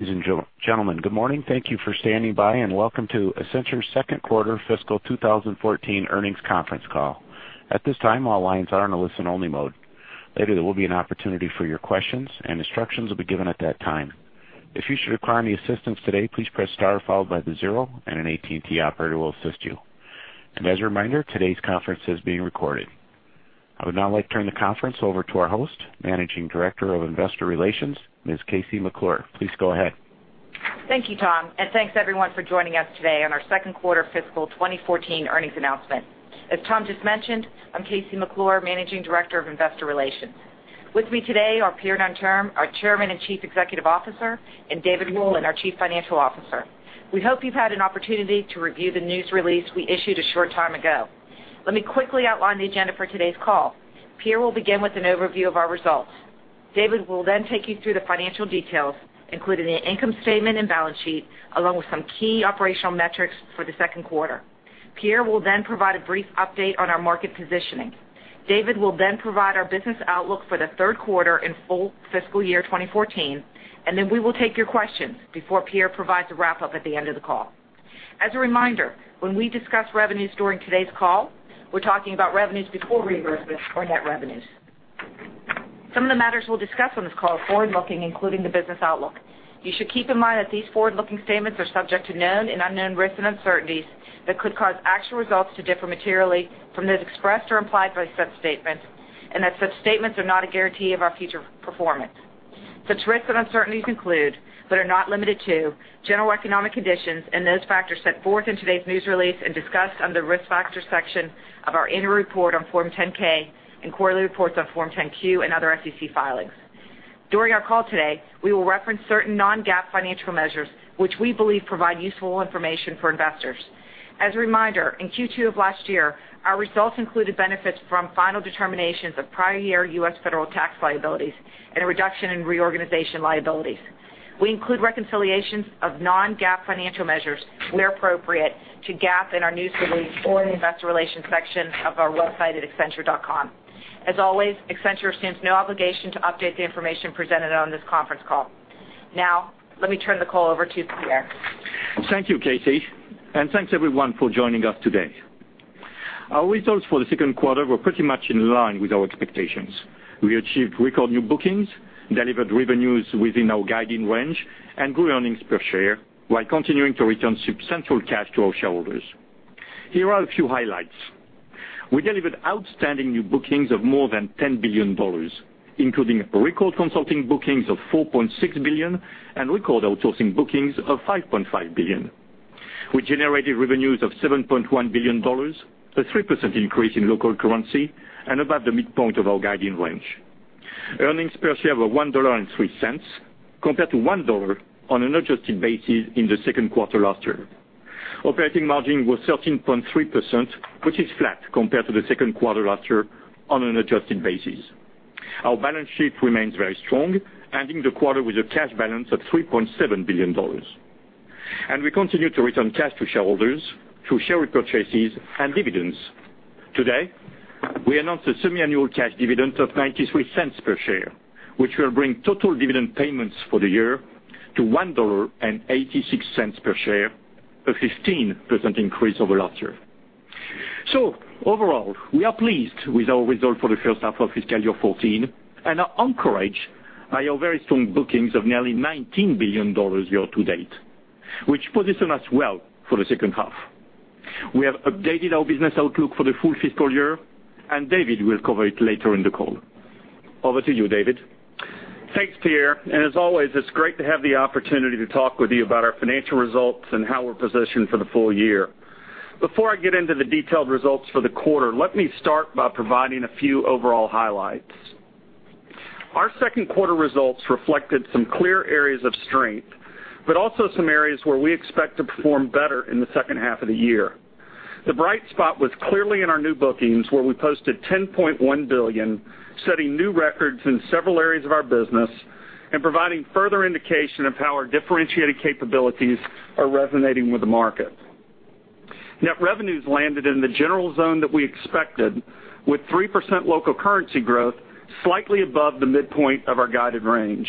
Ladies and gentlemen, good morning. Thank you for standing by and welcome to Accenture's second quarter fiscal 2014 earnings conference call. At this time, all lines are in a listen-only mode. Later, there will be an opportunity for your questions, and instructions will be given at that time. If you should require any assistance today, please press star followed by the zero and an AT&T operator will assist you. As a reminder, today's conference is being recorded. I would now like to turn the conference over to our host, Managing Director of Investor Relations, Ms. KC McClure. Please go ahead. Thank you, Tom, and thanks everyone for joining us today on our second quarter fiscal 2014 earnings announcement. As Tom just mentioned, I'm KC McClure, Managing Director of Investor Relations. With me today are Pierre Nanterme, our Chairman and Chief Executive Officer, and David Rowland, our Chief Financial Officer. We hope you've had an opportunity to review the news release we issued a short time ago. Let me quickly outline the agenda for today's call. Pierre will begin with an overview of our results. David will then take you through the financial details, including the income statement and balance sheet, along with some key operational metrics for the second quarter. Pierre will then provide a brief update on our market positioning. David will then provide our business outlook for the third quarter and full fiscal year 2014, and then we will take your questions before Pierre provides a wrap-up at the end of the call. As a reminder, when we discuss revenues during today's call, we're talking about revenues before reimbursements or net revenues. Some of the matters we'll discuss on this call are forward-looking, including the business outlook. You should keep in mind that these forward-looking statements are subject to known and unknown risks and uncertainties that could cause actual results to differ materially from those expressed or implied by such statements and that such statements are not a guarantee of our future performance. Such risks and uncertainties include, but are not limited to, general economic conditions and those factors set forth in today's news release and discussed under the Risk Factors section of our annual report on Form 10-K and quarterly reports on Form 10-Q and other SEC filings. During our call today, we will reference certain non-GAAP financial measures, which we believe provide useful information for investors. As a reminder, in Q2 of last year, our results included benefits from final determinations of prior year U.S. federal tax liabilities and a reduction in reorganization liabilities. We include reconciliations of non-GAAP financial measures where appropriate to GAAP in our news release or in the investor relations section of our website at accenture.com. As always, Accenture assumes no obligation to update the information presented on this conference call. Now, let me turn the call over to Pierre. Thank you, KC. Thanks everyone for joining us today. Our results for the second quarter were pretty much in line with our expectations. We achieved record new bookings, delivered revenues within our guiding range, and grew earnings per share while continuing to return substantial cash to our shareholders. Here are a few highlights. We delivered outstanding new bookings of more than $10 billion, including record consulting bookings of $4.6 billion and record outsourcing bookings of $5.5 billion. We generated revenues of $7.1 billion, a 3% increase in local currency and above the midpoint of our guiding range. Earnings per share were $1.03 compared to $1 on an adjusted basis in the second quarter last year. Operating margin was 13.3%, which is flat compared to the second quarter last year on an adjusted basis. Our balance sheet remains very strong, ending the quarter with a cash balance of $3.7 billion. We continue to return cash to shareholders through share repurchases and dividends. Today, we announced a semiannual cash dividend of $0.93 per share, which will bring total dividend payments for the year to $1.86 per share, a 15% increase over last year. Overall, we are pleased with our result for the first half of fiscal year 2014 and are encouraged by our very strong bookings of nearly $19 billion year to date, which position us well for the second half. We have updated our business outlook for the full fiscal year, David will cover it later in the call. Over to you, David. Thanks, Pierre. As always, it's great to have the opportunity to talk with you about our financial results and how we're positioned for the full year. Before I get into the detailed results for the quarter, let me start by providing a few overall highlights. Our second quarter results reflected some clear areas of strength, but also some areas where we expect to perform better in the second half of the year. The bright spot was clearly in our new bookings, where we posted $10.1 billion, setting new records in several areas of our business and providing further indication of how our differentiated capabilities are resonating with the market. Net revenues landed in the general zone that we expected with 3% local currency growth, slightly above the midpoint of our guided range.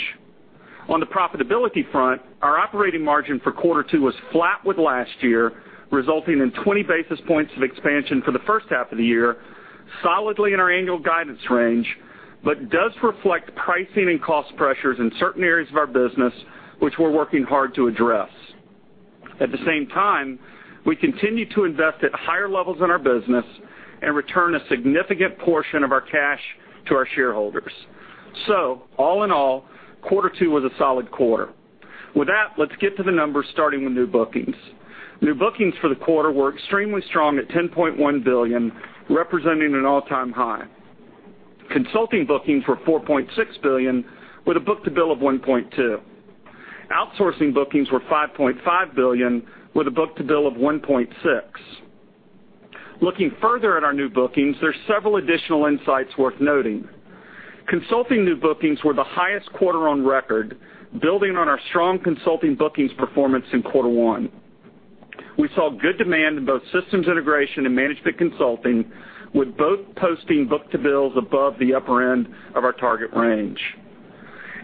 On the profitability front, our operating margin for quarter two was flat with last year, resulting in 20 basis points of expansion for the first half of the year, solidly in our annual guidance range, does reflect pricing and cost pressures in certain areas of our business, which we're working hard to address. At the same time, we continue to invest at higher levels in our business and return a significant portion of our cash to our shareholders. All in all, quarter two was a solid quarter. With that, let's get to the numbers starting with new bookings. New bookings for the quarter were extremely strong at $10.1 billion, representing an all-time high. Consulting bookings were $4.6 billion with a book-to-bill of 1.2. Outsourcing bookings were $5.5 billion with a book-to-bill of 1.6. Looking further at our new bookings, there's several additional insights worth noting. Consulting new bookings were the highest quarter on record, building on our strong consulting bookings performance in quarter one. We saw good demand in both systems integration and management consulting, with both posting book-to-bills above the upper end of our target range.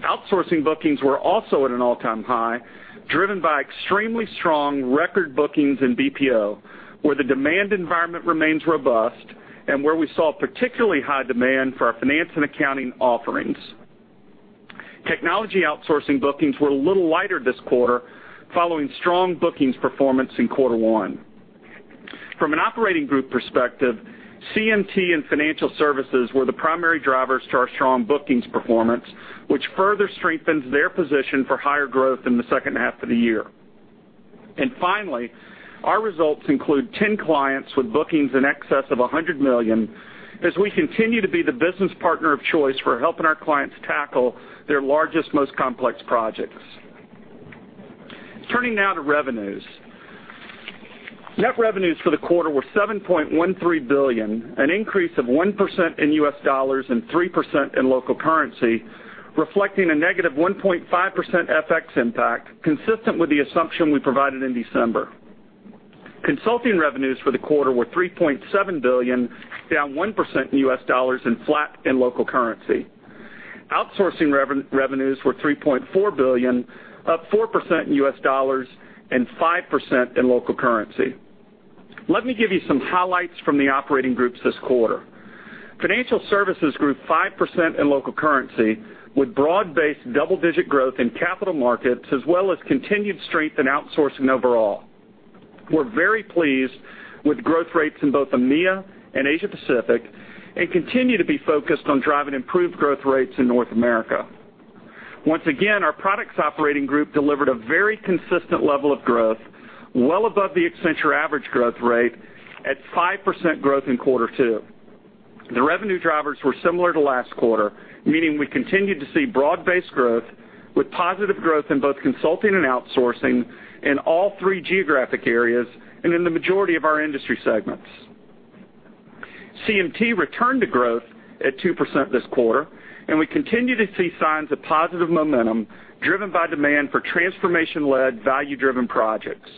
Outsourcing bookings were also at an all-time high, driven by extremely strong record bookings in BPO, where the demand environment remains robust and where we saw particularly high demand for our finance and accounting offerings. Technology outsourcing bookings were a little lighter this quarter, following strong bookings performance in quarter one. From an operating group perspective, CMT and financial services were the primary drivers to our strong bookings performance, which further strengthens their position for higher growth in the second half of the year. Finally, our results include 10 clients with bookings in excess of $100 million as we continue to be the business partner of choice for helping our clients tackle their largest, most complex projects. Turning now to revenues. Net revenues for the quarter were $7.13 billion, an increase of 1% in U.S. dollars and 3% in local currency, reflecting a negative 1.5% FX impact consistent with the assumption we provided in December. Consulting revenues for the quarter were $3.7 billion, down 1% in U.S. dollars and flat in local currency. Outsourcing revenues were $3.4 billion, up 4% in U.S. dollars and 5% in local currency. Let me give you some highlights from the operating groups this quarter. Financial services grew 5% in local currency with broad-based double-digit growth in capital markets, as well as continued strength in outsourcing overall. We're very pleased with growth rates in both EMEA and Asia Pacific and continue to be focused on driving improved growth rates in North America. Once again, our products operating group delivered a very consistent level of growth, well above the Accenture average growth rate at 5% growth in quarter two. The revenue drivers were similar to last quarter, meaning we continued to see broad-based growth with positive growth in both consulting and outsourcing in all three geographic areas and in the majority of our industry segments. CMT returned to growth at 2% this quarter. We continue to see signs of positive momentum driven by demand for transformation-led, value-driven projects.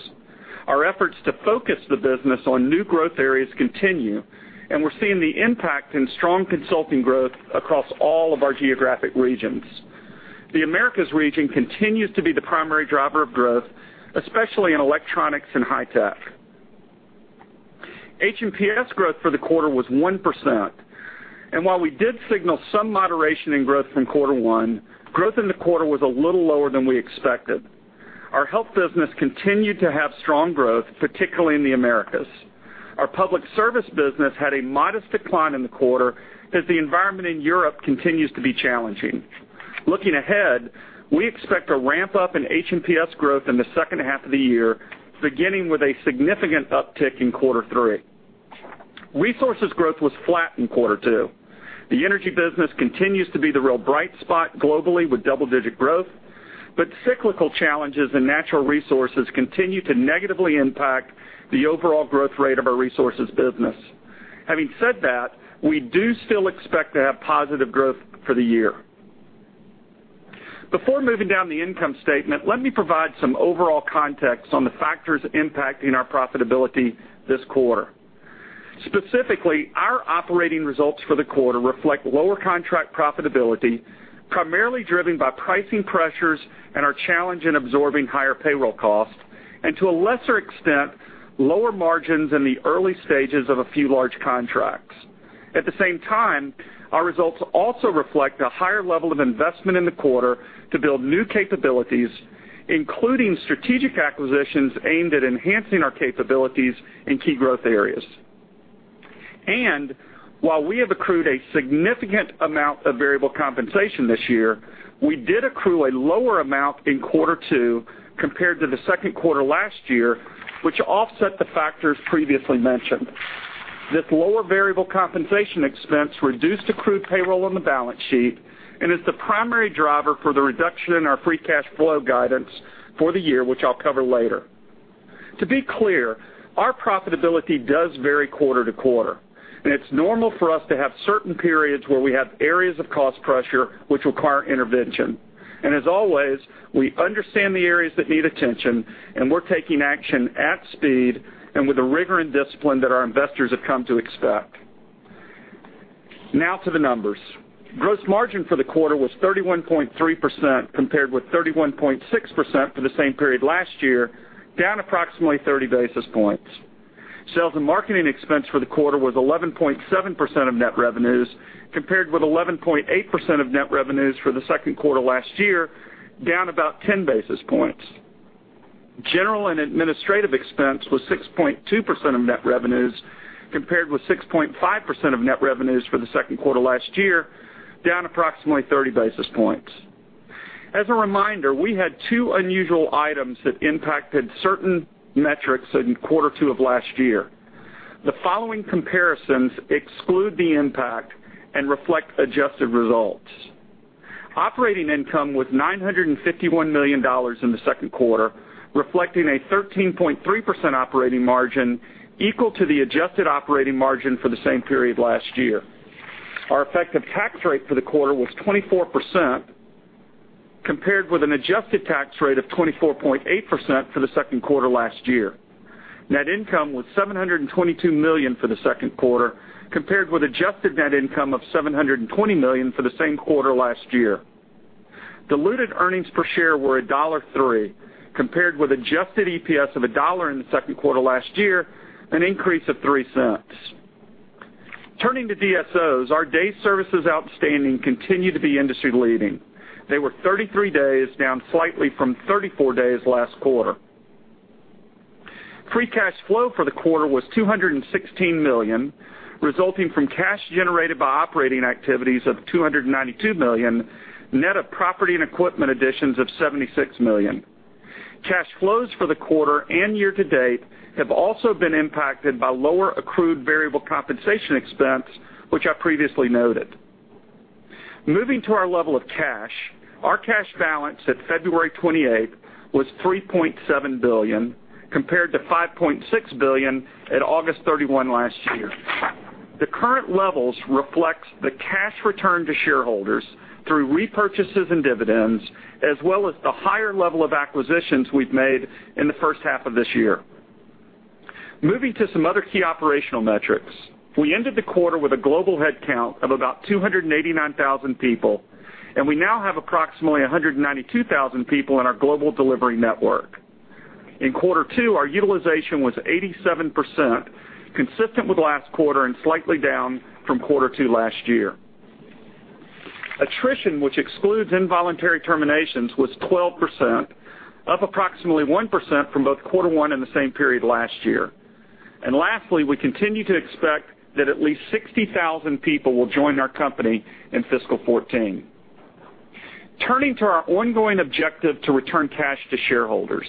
Our efforts to focus the business on new growth areas continue. We're seeing the impact in strong consulting growth across all of our geographic regions. The Americas region continues to be the primary driver of growth, especially in electronics and high tech. H&PS growth for the quarter was 1%. While we did signal some moderation in growth from quarter one, growth in the quarter was a little lower than we expected. Our health business continued to have strong growth, particularly in the Americas. Our public service business had a modest decline in the quarter as the environment in Europe continues to be challenging. Looking ahead, we expect a ramp-up in H&PS growth in the second half of the year, beginning with a significant uptick in quarter three. Resources growth was flat in quarter two. The energy business continues to be the real bright spot globally with double-digit growth. Cyclical challenges in natural resources continue to negatively impact the overall growth rate of our Resources business. Having said that, we do still expect to have positive growth for the year. Before moving down the income statement, let me provide some overall context on the factors impacting our profitability this quarter. Specifically, our operating results for the quarter reflect lower contract profitability, primarily driven by pricing pressures and our challenge in absorbing higher payroll costs, and to a lesser extent, lower margins in the early stages of a few large contracts. At the same time, our results also reflect a higher level of investment in the quarter to build new capabilities, including strategic acquisitions aimed at enhancing our capabilities in key growth areas. While we have accrued a significant amount of variable compensation this year, we did accrue a lower amount in quarter two compared to the second quarter last year, which offset the factors previously mentioned. This lower variable compensation expense reduced accrued payroll on the balance sheet and is the primary driver for the reduction in our free cash flow guidance for the year, which I'll cover later. To be clear, our profitability does vary quarter to quarter, and it's normal for us to have certain periods where we have areas of cost pressure which require intervention. As always, we understand the areas that need attention, and we're taking action at speed and with the rigor and discipline that our investors have come to expect. Now to the numbers. Gross margin for the quarter was 31.3% compared with 31.6% for the same period last year, down approximately 30 basis points. Sales and marketing expense for the quarter was 11.7% of net revenues, compared with 11.8% of net revenues for the second quarter last year, down about 10 basis points. General and administrative expense was 6.2% of net revenues, compared with 6.5% of net revenues for the second quarter last year, down approximately 30 basis points. As a reminder, we had two unusual items that impacted certain metrics in quarter two of last year. The following comparisons exclude the impact and reflect adjusted results. Operating income was $951 million in the second quarter, reflecting a 13.3% operating margin equal to the adjusted operating margin for the same period last year. Our effective tax rate for the quarter was 24%. Compared with an adjusted tax rate of 24.8% for the second quarter last year. Net income was $722 million for the second quarter, compared with adjusted net income of $720 million for the same quarter last year. Diluted earnings per share were $1.03, compared with adjusted EPS of $1 in the second quarter last year, an increase of $0.03. Turning to DSOs, our days services outstanding continue to be industry leading. They were 33 days, down slightly from 34 days last quarter. Free cash flow for the quarter was $216 million, resulting from cash generated by operating activities of $292 million, net of property and equipment additions of $76 million. Cash flows for the quarter and year to date have also been impacted by lower accrued variable compensation expense, which I previously noted. Moving to our level of cash. Our cash balance at February 28th was $3.7 billion, compared to $5.6 billion at August 31 last year. The current levels reflects the cash return to shareholders through repurchases and dividends, as well as the higher level of acquisitions we've made in the first half of this year. Moving to some other key operational metrics. We ended the quarter with a global headcount of about 289,000 people, and we now have approximately 192,000 people in our Global Delivery Network. In quarter two, our utilization was 87%, consistent with last quarter and slightly down from quarter two last year. Attrition, which excludes involuntary terminations, was 12%, up approximately 1% from both quarter one and the same period last year. Lastly, we continue to expect that at least 60,000 people will join our company in fiscal 2014. Turning to our ongoing objective to return cash to shareholders.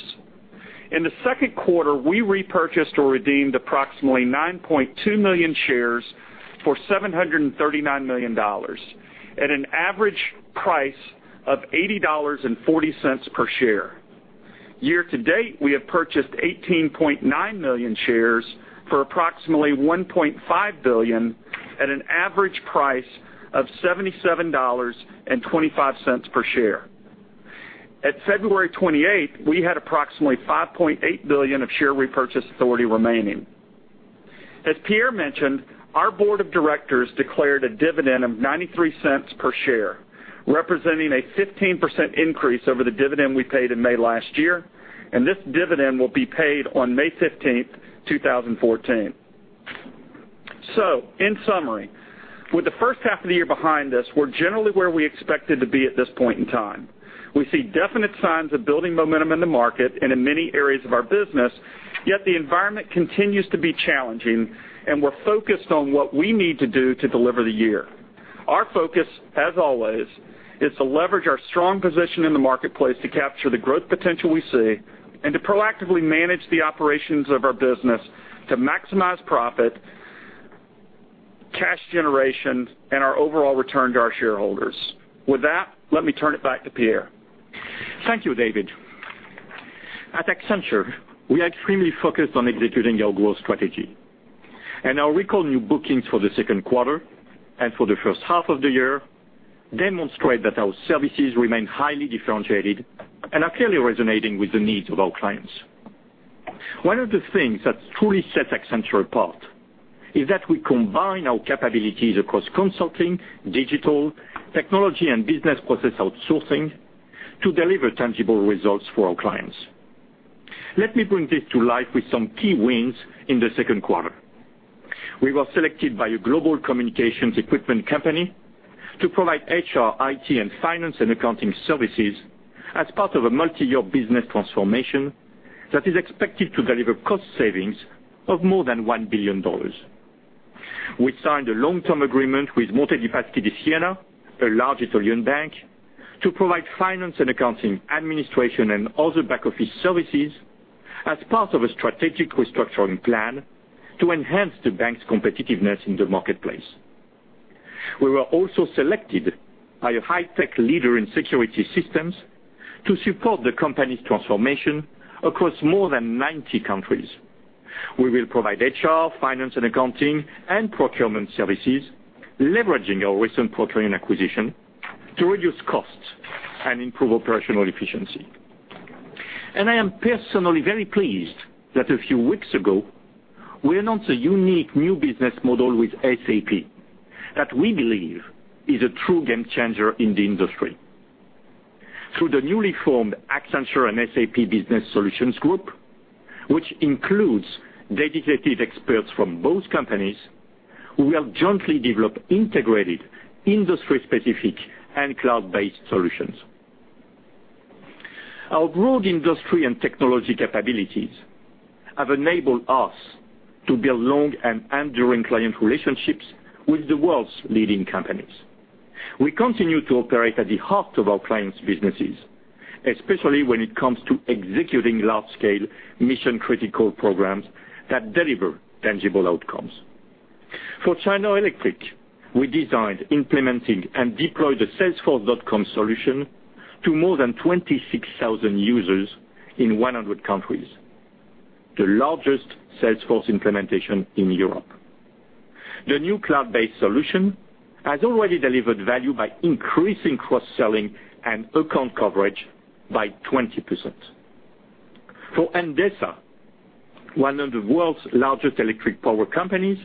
In the second quarter, we repurchased or redeemed approximately 9.2 million shares for $739 million at an average price of $80.40 per share. Year to date, we have purchased 18.9 million shares for approximately $1.5 billion at an average price of $77.25 per share. At February 28th, we had approximately $5.8 billion of share repurchase authority remaining. As Pierre mentioned, our board of directors declared a dividend of $0.93 per share, representing a 15% increase over the dividend we paid in May last year. This dividend will be paid on May 15th, 2014. In summary, with the first half of the year behind us, we're generally where we expected to be at this point in time. We see definite signs of building momentum in the market and in many areas of our business, yet the environment continues to be challenging. We're focused on what we need to do to deliver the year. Our focus, as always, is to leverage our strong position in the marketplace to capture the growth potential we see and to proactively manage the operations of our business to maximize profit, cash generation, and our overall return to our shareholders. With that, let me turn it back to Pierre. Thank you, David. At Accenture, we are extremely focused on executing our growth strategy. Our record new bookings for the second quarter and for the first half of the year demonstrate that our services remain highly differentiated and are clearly resonating with the needs of our clients. One of the things that truly sets Accenture apart is that we combine our capabilities across consulting, digital, technology, and business process outsourcing to deliver tangible results for our clients. Let me bring this to life with some key wins in the second quarter. We were selected by a global communications equipment company to provide HR, IT, and finance and accounting services as part of a multi-year business transformation that is expected to deliver cost savings of more than $1 billion. We signed a long-term agreement with Monte dei Paschi di Siena, a large Italian bank, to provide finance and accounting, administration, and other back-office services as part of a strategic restructuring plan to enhance the bank's competitiveness in the marketplace. We were also selected by a high-tech leader in security systems to support the company's transformation across more than 90 countries. We will provide HR, finance and accounting, and procurement services, leveraging our recent Procurian acquisition to reduce costs and improve operational efficiency. I am personally very pleased that a few weeks ago, we announced a unique new business model with SAP that we believe is a true game changer in the industry. Through the newly formed Accenture and SAP Business Solutions Group, which includes dedicated experts from both companies, we will jointly develop integrated industry-specific and cloud-based solutions. Our broad industry and technology capabilities have enabled us to build long and enduring client relationships with the world's leading companies. We continue to operate at the heart of our clients' businesses, especially when it comes to executing large-scale mission-critical programs that deliver tangible outcomes. For Schneider Electric, we designed, implemented, and deployed a Salesforce.com solution to more than 26,000 users in 100 countries, the largest Salesforce implementation in Europe. The new cloud-based solution has already delivered value by increasing cross-selling and account coverage by 20%. For Endesa, one of the world's largest electric power companies,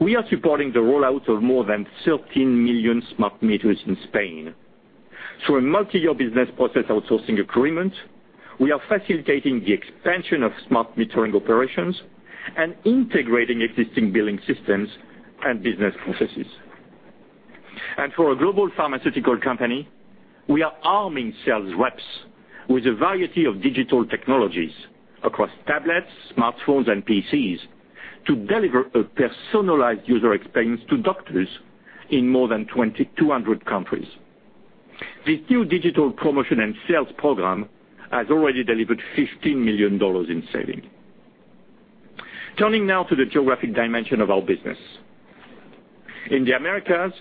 we are supporting the rollout of more than 13 million smart meters in Spain. Through a multi-year business process outsourcing agreement, we are facilitating the expansion of smart metering operations and integrating existing billing systems and business processes. For a global pharmaceutical company, we are arming sales reps with a variety of digital technologies across tablets, smartphones, and PCs, to deliver a personalized user experience to doctors in more than 200 countries. This new digital promotion and sales program has already delivered $15 million in savings. Turning now to the geographic dimension of our business. In the Americas,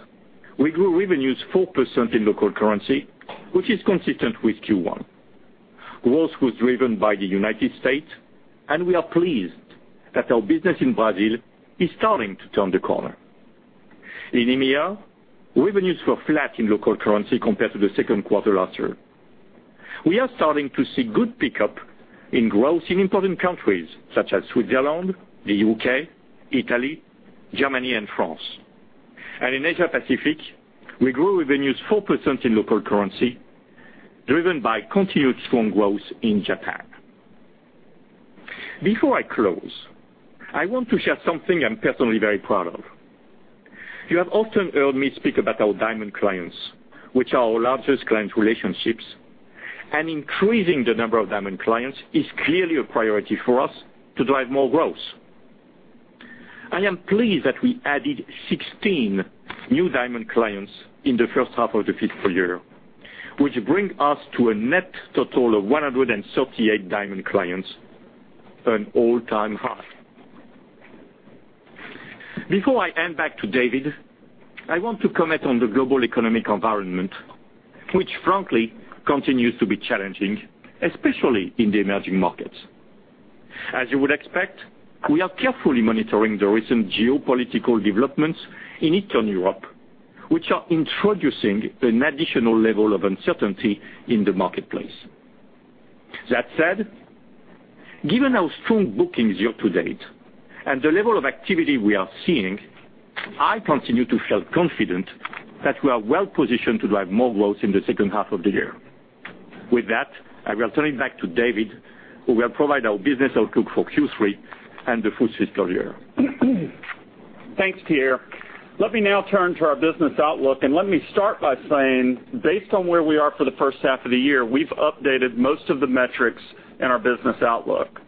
we grew revenues 4% in local currency, which is consistent with Q1. Growth was driven by the United States, and we are pleased that our business in Brazil is starting to turn the corner. In EMEA, revenues were flat in local currency compared to the second quarter last year. We are starting to see good pickup in growth in important countries such as Switzerland, the U.K., Italy, Germany, and France. In Asia Pacific, we grew revenues 4% in local currency, driven by continued strong growth in Japan. Before I close, I want to share something I'm personally very proud of. You have often heard me speak about our Diamond clients, which are our largest client relationships, and increasing the number of Diamond clients is clearly a priority for us to drive more growth. I am pleased that we added 16 new Diamond clients in the first half of the fiscal year, which bring us to a net total of 138 Diamond clients, an all-time high. Before I hand back to David, I want to comment on the global economic environment, which frankly continues to be challenging, especially in the emerging markets. As you would expect, we are carefully monitoring the recent geopolitical developments in Eastern Europe, which are introducing an additional level of uncertainty in the marketplace. That said, given our strong bookings year-to-date and the level of activity we are seeing, I continue to feel confident that we are well-positioned to drive more growth in the second half of the year. With that, I will turn it back to David, who will provide our business outlook for Q3 and the full fiscal year. Thanks, Pierre. Let me now turn to our business outlook. Let me start by saying, based on where we are for the first half of the year, we've updated most of the metrics in our business outlook.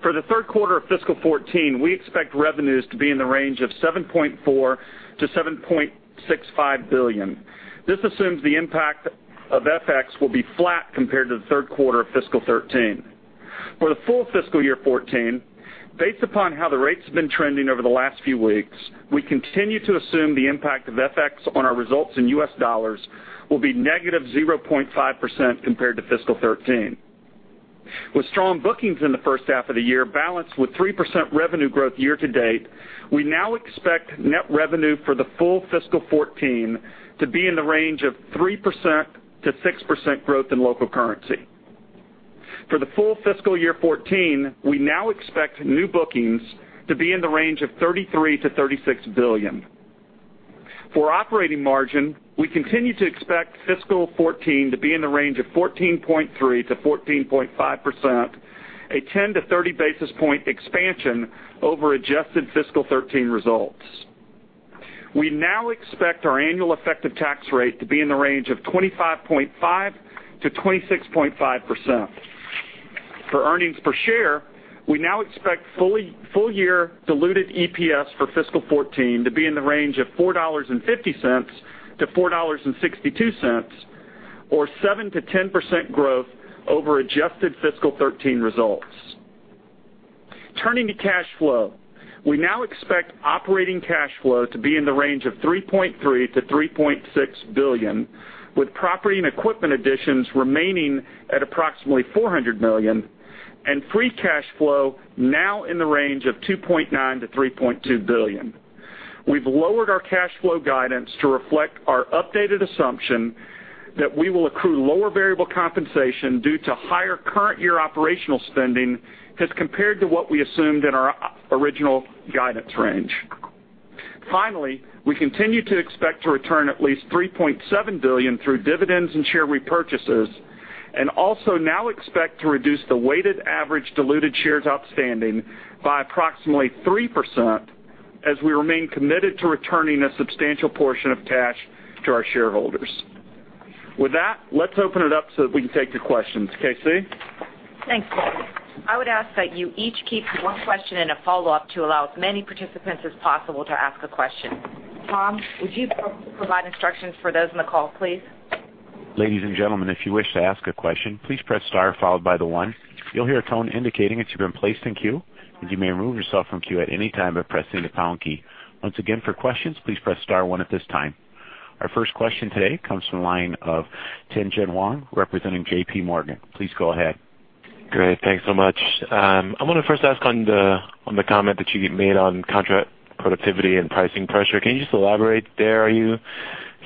For the third quarter of fiscal 2014, we expect revenues to be in the range of $7.4 billion-$7.65 billion. This assumes the impact of FX will be flat compared to the third quarter of fiscal 2013. For the full fiscal year 2014, based upon how the rates have been trending over the last few weeks, we continue to assume the impact of FX on our results in US dollars will be -0.5% compared to fiscal 2013. With strong bookings in the first half of the year balanced with 3% revenue growth year to date, we now expect net revenue for the full fiscal 2014 to be in the range of 3%-6% growth in local currency. For the full fiscal year 2014, we now expect new bookings to be in the range of $33 billion-$36 billion. For operating margin, we continue to expect fiscal 2014 to be in the range of 14.3%-14.5%, a 10-30 basis point expansion over adjusted fiscal 2013 results. We now expect our annual effective tax rate to be in the range of 25.5%-26.5%. For earnings per share, we now expect full-year diluted EPS for fiscal 2014 to be in the range of $4.50-$4.62, or 7%-10% growth over adjusted fiscal 2013 results. Turning to cash flow. We now expect operating cash flow to be in the range of $3.3 billion-$3.6 billion, with property and equipment additions remaining at approximately $400 million, and free cash flow now in the range of $2.9 billion-$3.2 billion. We've lowered our cash flow guidance to reflect our updated assumption that we will accrue lower variable compensation due to higher current year operational spending as compared to what we assumed in our original guidance range. Finally, we continue to expect to return at least $3.7 billion through dividends and share repurchases. We also now expect to reduce the weighted average diluted shares outstanding by approximately 3% as we remain committed to returning a substantial portion of cash to our shareholders. With that, let's open it up so that we can take the questions. KC? Thanks. I would ask that you each keep one question and a follow-up to allow as many participants as possible to ask a question. Tom, would you provide instructions for those on the call, please? Ladies and gentlemen, if you wish to ask a question, please press star followed by the one. You'll hear a tone indicating that you've been placed in queue, and you may remove yourself from queue at any time by pressing the pound key. Once again, for questions, please press star one at this time. Our first question today comes from the line of Tien-Tsin Huang representing J.P. Morgan. Please go ahead. Great. Thanks so much. I want to first ask on the comment that you made on contract profitability and pricing pressure. Can you just elaborate there? It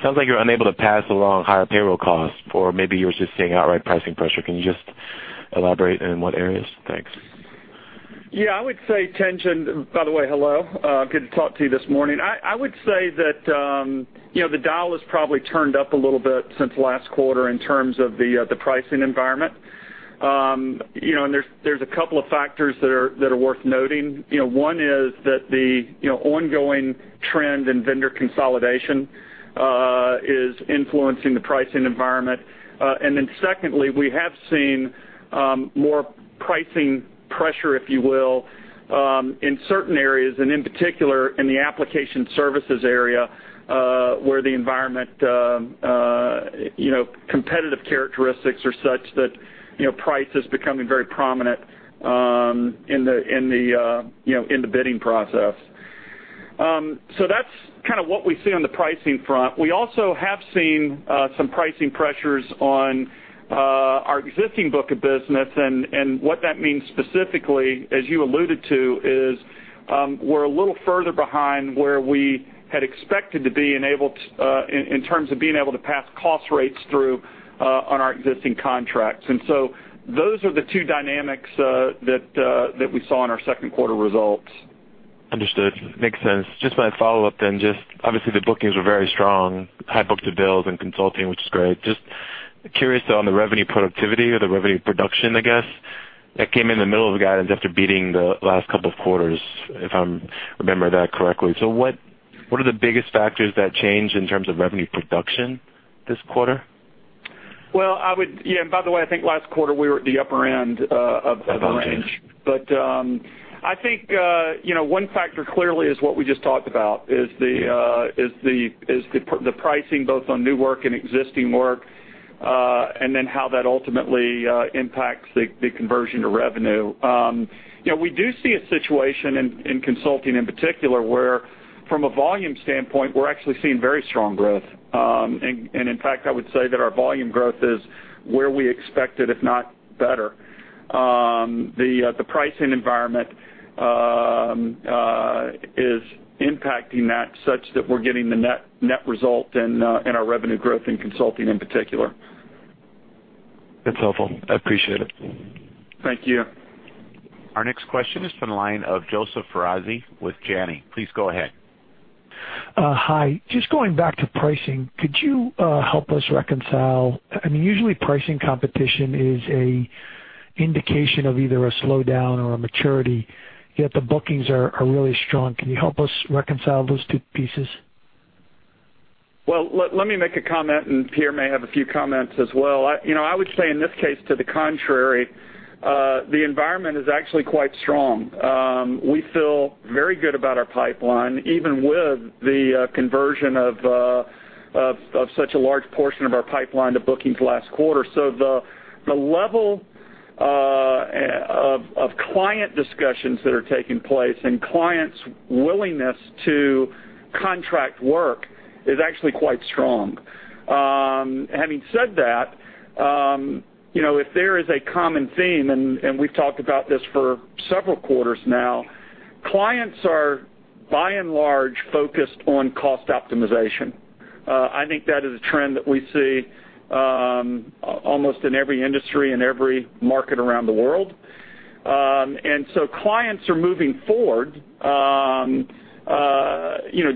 sounds like you're unable to pass along higher payroll costs, or maybe you were just seeing outright pricing pressure. Can you just elaborate in what areas? Thanks. By the way, hello. Good to talk to you this morning. I would say that the dial is probably turned up a little bit since last quarter in terms of the pricing environment. There's a couple of factors that are worth noting. One is that the ongoing trend in vendor consolidation is influencing the pricing environment. Secondly, we have seen more pricing pressure, if you will, in certain areas, and in particular in the application services area where the environment competitive characteristics are such that price is becoming very prominent in the bidding process. That's kind of what we see on the pricing front. We also have seen some pricing pressures on our existing book of business, what that means specifically, as you alluded to, is we're a little further behind where we had expected to be in terms of being able to pass cost rates through on our existing contracts. Those are the two dynamics that we saw in our second quarter results. Understood. Makes sense. Just my follow-up, obviously, the bookings were very strong, high book-to-bill in consulting, which is great. Just curious on the revenue productivity or the revenue production, I guess, that came in the middle of the guidance after beating the last couple of quarters, if I remember that correctly. What are the biggest factors that changed in terms of revenue production this quarter? By the way, I think last quarter we were at the upper end of the range. Apologies. I think one factor clearly is what we just talked about is the pricing both on new work and existing work, and then how that ultimately impacts the conversion to revenue. We do see a situation in consulting in particular, where from a volume standpoint, we're actually seeing very strong growth. In fact, I would say that our volume growth is where we expected, if not better. The pricing environment is impacting that such that we're getting the net result in our revenue growth in consulting in particular. That's helpful. I appreciate it. Thank you. Our next question is from the line of Joseph Foresi with Janney. Please go ahead. Hi. Just going back to pricing, could you help us reconcile, usually pricing competition is a indication of either a slowdown or a maturity, yet the bookings are really strong. Can you help us reconcile those two pieces? Well, let me make a comment, and Pierre may have a few comments as well. I would say in this case to the contrary, the environment is actually quite strong. We feel very good about our pipeline, even with the conversion of such a large portion of our pipeline to bookings last quarter. The level of client discussions that are taking place and clients' willingness to contract work is actually quite strong. Having said that, if there is a common theme, and we've talked about this for several quarters now, clients are by and large focused on cost optimization. I think that is a trend that we see almost in every industry and every market around the world. Clients are moving forward,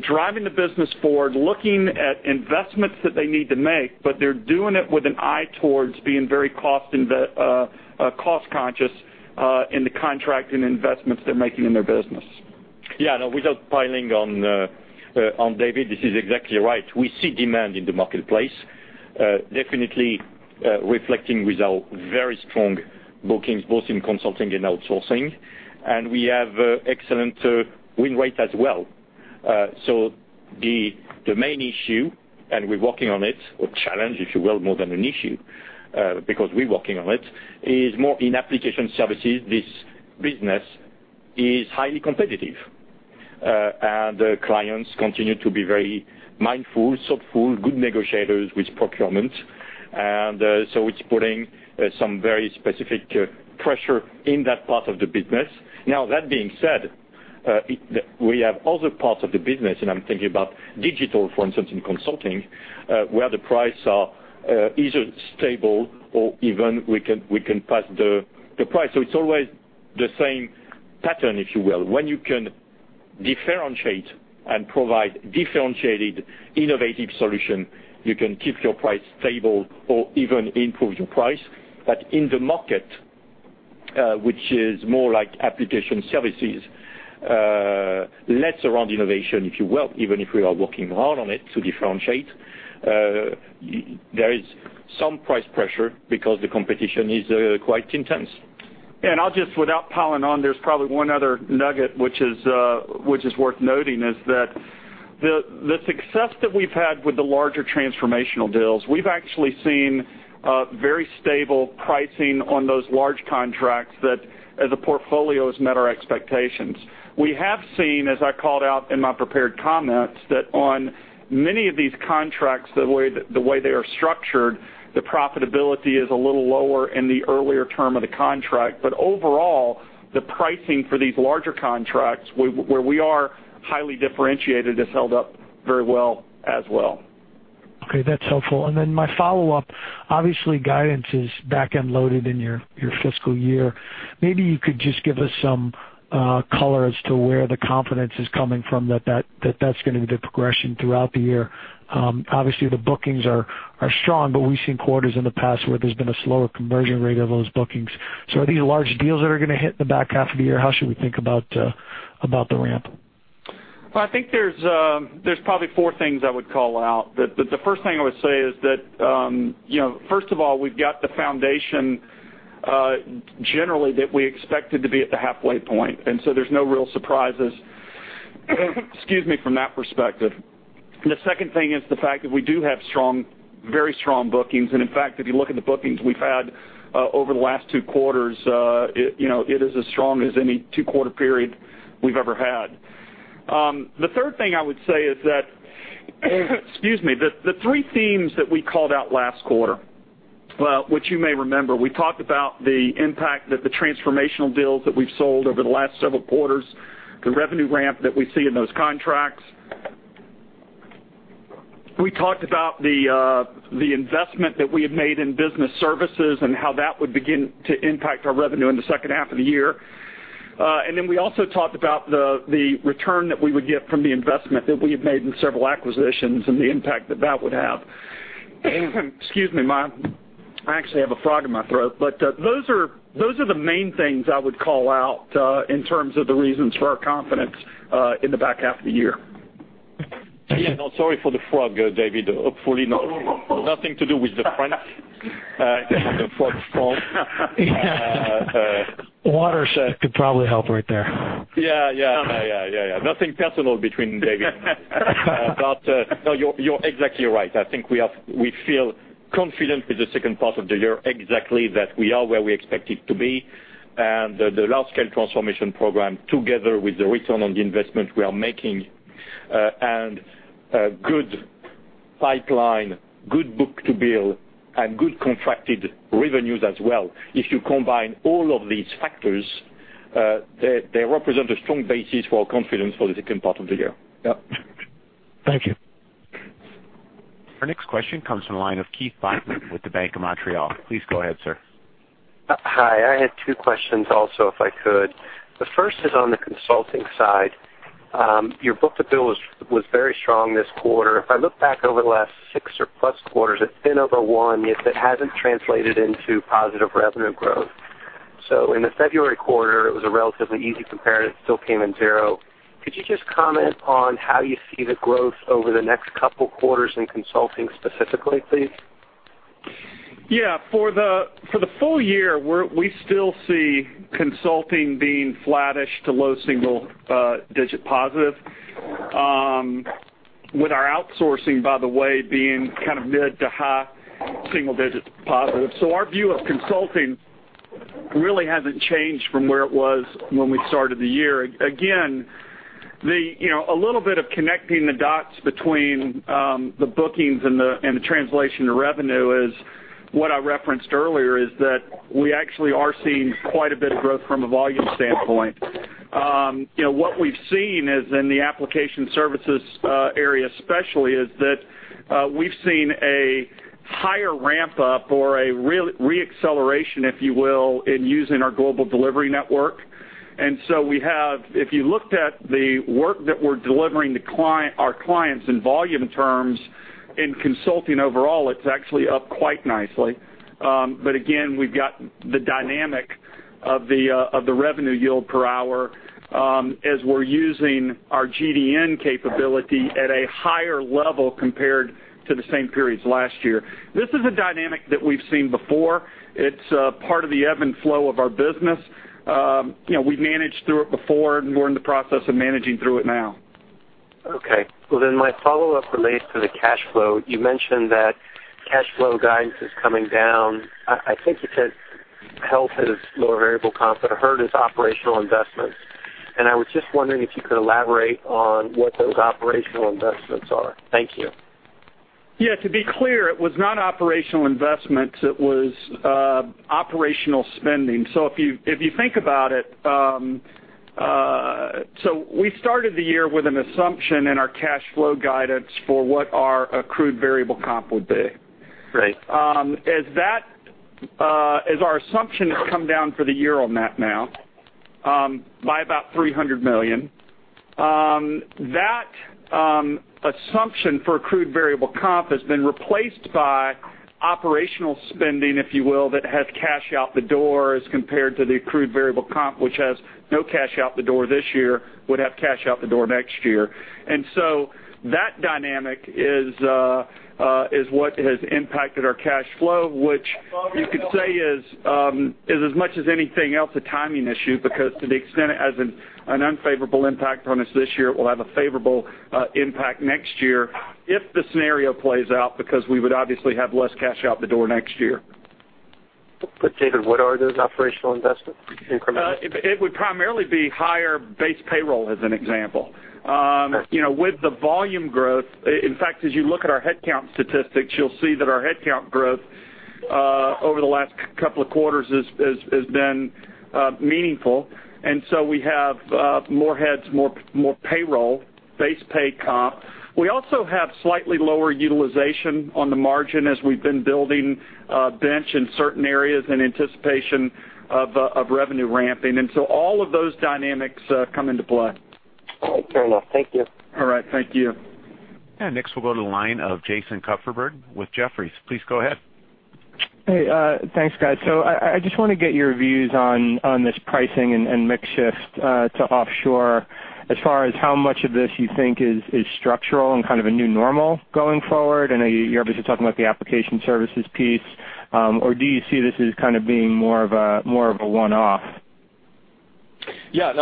driving the business forward, looking at investments that they need to make, but they're doing it with an eye towards being very cost-conscious in the contract and investments they're making in their business. Yeah, no, without piling on David, this is exactly right. We see demand in the marketplace, definitely reflecting with our very strong bookings, both in consulting and outsourcing. We have excellent win rate as well. The main issue, and we're working on it, or challenge, if you will, more than an issue, because we're working on it, is more in application services. This business is highly competitive. Clients continue to be very mindful, thoughtful, good negotiators with procurement. It's putting some very specific pressure in that part of the business. Now, that being said, we have other parts of the business, and I'm thinking about Digital, for instance, in consulting, where the price are either stable or even we can pass the price. It's always the same pattern, if you will. When you can differentiate and provide differentiated, innovative solution, you can keep your price stable or even improve your price. In the market, which is more like application services, less around innovation, if you will, even if we are working hard on it to differentiate, there is some price pressure because the competition is quite intense. I'll just, without piling on, there's probably one other nugget which is worth noting is that the success that we've had with the larger transformational deals, we've actually seen very stable pricing on those large contracts that as a portfolio has met our expectations. We have seen, as I called out in my prepared comments, that on many of these contracts, the way they are structured, the profitability is a little lower in the earlier term of the contract. Overall, the pricing for these larger contracts, where we are highly differentiated, has held up very well as well. Okay, that's helpful. My follow-up, obviously, guidance is back-end loaded in your fiscal year. Maybe you could just give us some color as to where the confidence is coming from that that's going to be the progression throughout the year. Obviously, the bookings are strong. We've seen quarters in the past where there's been a slower conversion rate of those bookings. Are these large deals that are going to hit in the back half of the year? How should we think about the ramp? Well, I think there's probably four things I would call out. The first thing I would say is that, first of all, we've got the foundation, generally that we expected to be at the halfway point. There's no real surprises from that perspective. The second thing is the fact that we do have very strong bookings. In fact, if you look at the bookings we've had over the last two quarters, it is as strong as any two-quarter period we've ever had. The third thing I would say is that the three themes that we called out last quarter, which you may remember, we talked about the impact that the transformational deals that we've sold over the last several quarters, the revenue ramp that we see in those contracts. We talked about the investment that we have made in business services and how that would begin to impact our revenue in the second half of the year. We also talked about the return that we would get from the investment that we have made in several acquisitions and the impact that that would have. I actually have a frog in my throat. Those are the main things I would call out in terms of the reasons for our confidence in the back half of the year. Yeah, no, sorry for the frog, David. Hopefully nothing to do with the French. The frog fault. Water could probably help right there. Yeah. Nothing personal between David. No, you're exactly right. I think we feel confident with the second part of the year exactly that we are where we expect it to be. The large-scale transformation program, together with the return on the investment we are making, and good pipeline, good book-to-bill, and good contracted revenues as well. If you combine all of these factors, they represent a strong basis for confidence for the second part of the year. Yep. Thank you. Our next question comes from the line of Keith Bachman with the BMO Capital Markets. Please go ahead, sir. I had two questions also, if I could. The first is on the consulting side. Your book-to-bill was very strong this quarter. If I look back over the last six or plus quarters, it's been over one, yet that hasn't translated into positive revenue growth. In the February quarter, it was a relatively easy compare and it still came in zero. Could you just comment on how you see the growth over the next couple quarters in consulting specifically, please? Yeah. For the full year, we still see consulting being flattish to low single-digit positive. With our outsourcing, by the way, being mid to high single digits positive. Our view of consulting really hasn't changed from where it was when we started the year. Again, a little bit of connecting the dots between the bookings and the translation to revenue is what I referenced earlier, is that we actually are seeing quite a bit of growth from a volume standpoint. What we've seen is in the application services area especially, is that we've seen a higher ramp-up or a re-acceleration, if you will, in using our Global Delivery Network. If you looked at the work that we're delivering our clients in volume terms, in consulting overall, it's actually up quite nicely. Again, we've got the dynamic of the revenue yield per hour as we're using our GDN capability at a higher level compared to the same periods last year. This is a dynamic that we've seen before. It's part of the ebb and flow of our business. We've managed through it before, and we're in the process of managing through it now. Okay. My follow-up relates to the cash flow. You mentioned that cash flow guidance is coming down. I think you said health is lower variable comp, but I heard is operational investments. I was just wondering if you could elaborate on what those operational investments are. Thank you. Yeah, to be clear, it was not operational investments, it was operational spending. If you think about it, we started the year with an assumption in our cash flow guidance for what our accrued variable comp would be. Right. As our assumption has come down for the year on that now by about $300 million, that assumption for accrued variable comp has been replaced by operational spending, if you will, that has cash out the door as compared to the accrued variable comp, which has no cash out the door this year, would have cash out the door next year. That dynamic is what has impacted our cash flow, which you could say is as much as anything else, a timing issue, because to the extent it has an unfavorable impact on us this year, it will have a favorable impact next year if the scenario plays out, because we would obviously have less cash out the door next year. David, what are those operational investments, incremental? It would primarily be higher base payroll, as an example. Okay. With the volume growth, in fact, as you look at our headcount statistics, you'll see that our headcount growth over the last couple of quarters has been meaningful. We have more heads, more payroll, base pay comp. We also have slightly lower utilization on the margin as we've been building a bench in certain areas in anticipation of revenue ramping. All of those dynamics come into play. All right, fair enough. Thank you. All right. Thank you. Next we'll go to the line of Jason Kupferberg with Jefferies. Please go ahead. I just want to get your views on this pricing and mix shift to offshore as far as how much of this you think is structural and kind of a new normal going forward. You're obviously talking about the application services piece, or do you see this as kind of being more of a one-off? Yeah,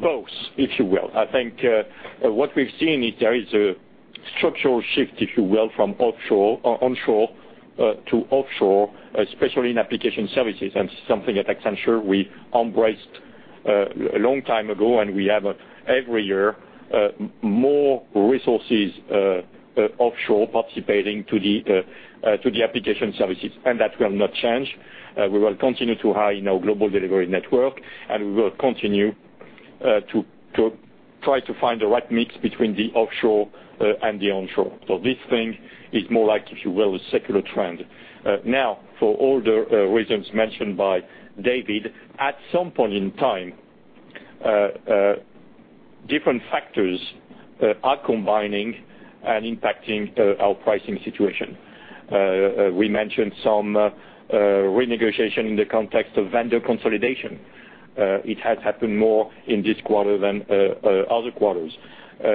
both, if you will. I think what we've seen is there is a structural shift, if you will, from onshore to offshore, especially in application services, and something at Accenture we embraced a long time ago, and we have every year more resources offshore participating to the application services. That will not change. We will continue to hire in our Global Delivery Network, and we will continue to try to find the right mix between the offshore and the onshore. This thing is more like, if you will, a secular trend. Now, for all the reasons mentioned by David, at some point in time, different factors are combining and impacting our pricing situation. We mentioned some renegotiation in the context of vendor consolidation. It has happened more in this quarter than other quarters.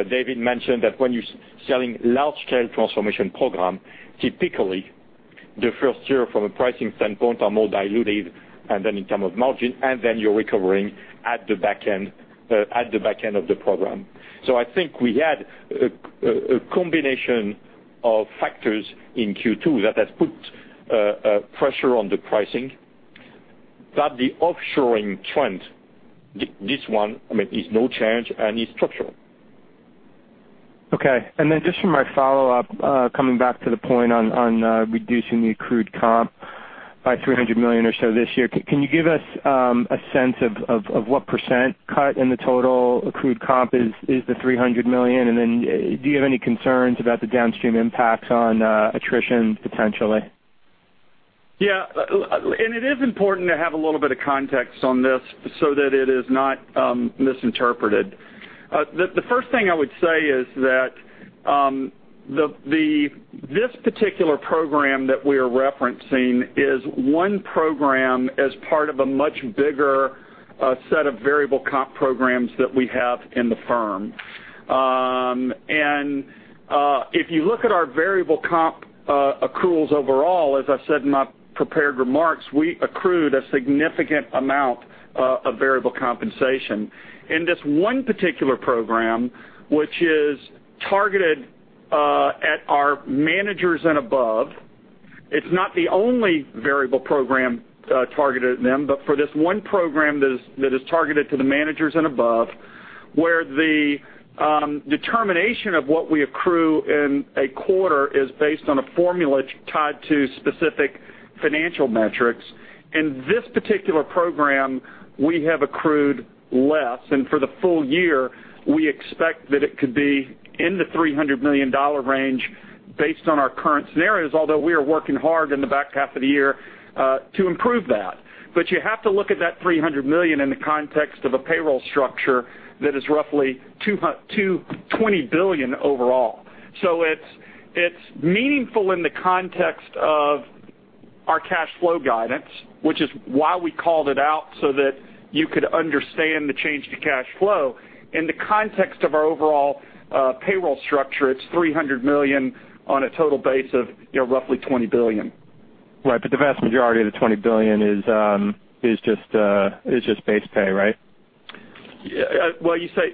David mentioned that when you're selling large-scale transformation program, typically the first year from a pricing standpoint are more diluted and then in term of margin, and then you're recovering at the back end of the program. I think we had a combination of factors in Q2 that has put pressure on the pricing, but the offshoring trend, this one, is no change and is structural. Okay. Just for my follow-up, coming back to the point on reducing the accrued comp by $300 million or so this year. Can you give us a sense of what % cut in the total accrued comp is the $300 million? Do you have any concerns about the downstream impacts on attrition potentially? Yeah. It is important to have a little bit of context on this so that it is not misinterpreted. The first thing I would say is that this particular program that we are referencing is one program as part of a much bigger set of variable comp programs that we have in the firm. If you look at our variable comp accruals overall, as I said in my prepared remarks, we accrued a significant amount of variable compensation. In this one particular program, which is targeted at our managers and above, it's not the only variable program targeted at them, but for this one program that is targeted to the managers and above, where the determination of what we accrue in a quarter is based on a formula tied to specific financial metrics. In this particular program, we have accrued less. For the full year, we expect that it could be in the $300 million range based on our current scenarios, although we are working hard in the back half of the year to improve that. You have to look at that $300 million in the context of a payroll structure that is roughly $20 billion overall. It's meaningful in the context of our cash flow guidance, which is why we called it out so that you could understand the change to cash flow. In the context of our overall payroll structure, it's $300 million on a total base of roughly $20 billion. Right, the vast majority of the $20 billion is just base pay, right?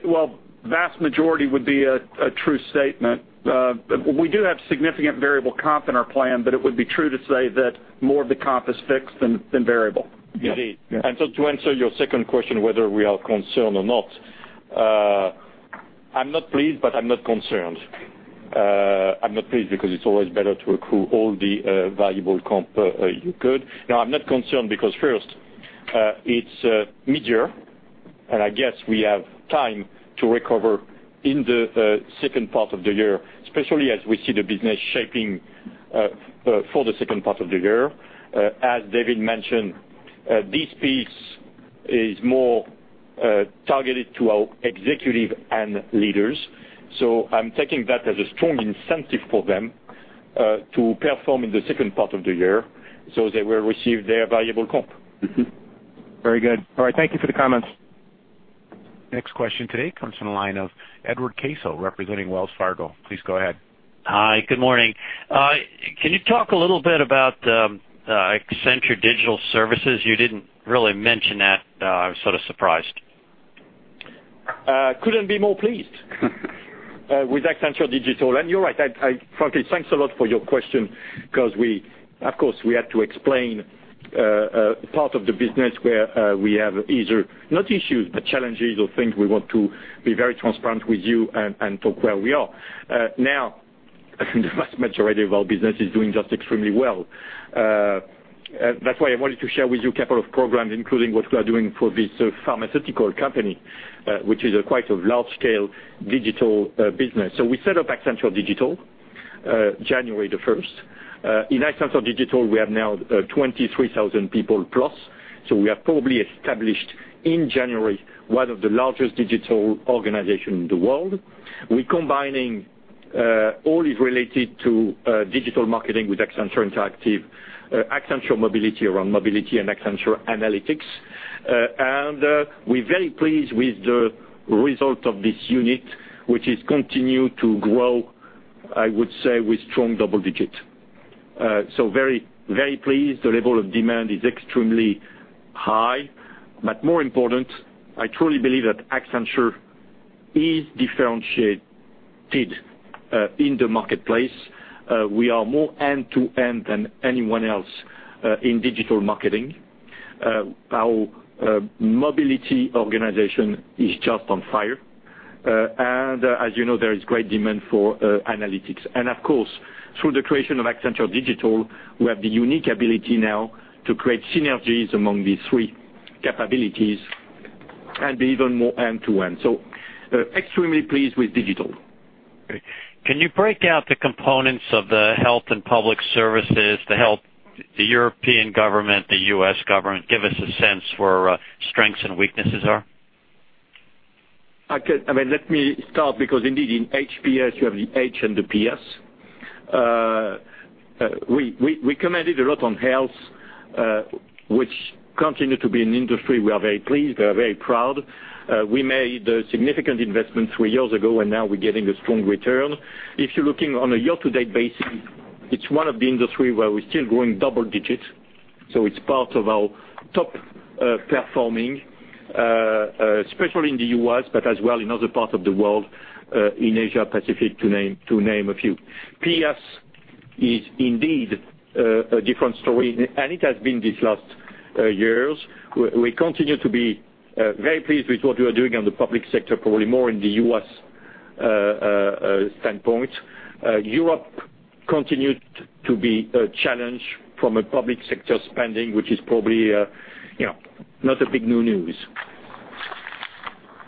Well, vast majority would be a true statement. We do have significant variable comp in our plan, it would be true to say that more of the comp is fixed than variable. Indeed. Yeah. To answer your second question, whether we are concerned or not, I'm not pleased, but I'm not concerned. I'm not pleased because it's always better to accrue all the variable comp you could. I'm not concerned because first, it's mid-year, and I guess we have time to recover in the second part of the year, especially as we see the business shaping for the second part of the year. As David mentioned, this piece is more targeted to our executive and leaders. I'm taking that as a strong incentive for them to perform in the second part of the year so they will receive their variable comp. Mm-hmm. Very good. All right. Thank you for the comments. Next question today comes from the line of Edward Caso, representing Wells Fargo. Please go ahead. Hi. Good morning. Can you talk a little bit about Accenture Digital services? You didn't really mention that. I was sort of surprised. Couldn't be more pleased with Accenture Digital. You're right. Frankly, thanks a lot for your question because, of course, we have to explain part of the business where we have either, not issues, but challenges or things we want to be very transparent with you and talk where we are. The vast majority of our business is doing just extremely well. That's why I wanted to share with you a couple of programs, including what we are doing for this pharmaceutical company, which is quite a large-scale digital business. We set up Accenture Digital January the 1st. In Accenture Digital, we have now 23,000 people plus, we have probably established, in January, one of the largest digital organization in the world. We're combining all is related to digital marketing with Accenture Interactive, Accenture Mobility around mobility, and Accenture Analytics. We're very pleased with the result of this unit, which is continue to grow, I would say, with strong double digits. Very pleased. The level of demand is extremely high. More important, I truly believe that Accenture is differentiated in the marketplace. We are more end-to-end than anyone else in digital marketing. Our mobility organization is just on fire. As you know, there is great demand for analytics. Of course, through the creation of Accenture Digital, we have the unique ability now to create synergies among these three capabilities and be even more end-to-end. Extremely pleased with digital. Great. Can you break out the components of the health and public services to help the European government, the U.S. government? Give us a sense where strengths and weaknesses are. I could. Let me start, because indeed, in HPS, you have the H and the PS. We commented a lot on health, which continue to be an industry we are very pleased, we are very proud. We made a significant investment three years ago, and now we're getting a strong return. If you're looking on a year-to-date basis, it's one of the industry where we're still growing double digits, so it's part of our top-performing, especially in the U.S., but as well in other parts of the world, in Asia Pacific, to name a few. PS is indeed a different story, and it has been these last years. We continue to be very pleased with what we are doing on the public sector, probably more in the U.S. standpoint. Europe continued to be a challenge from a public sector spending, which is probably not a big new news.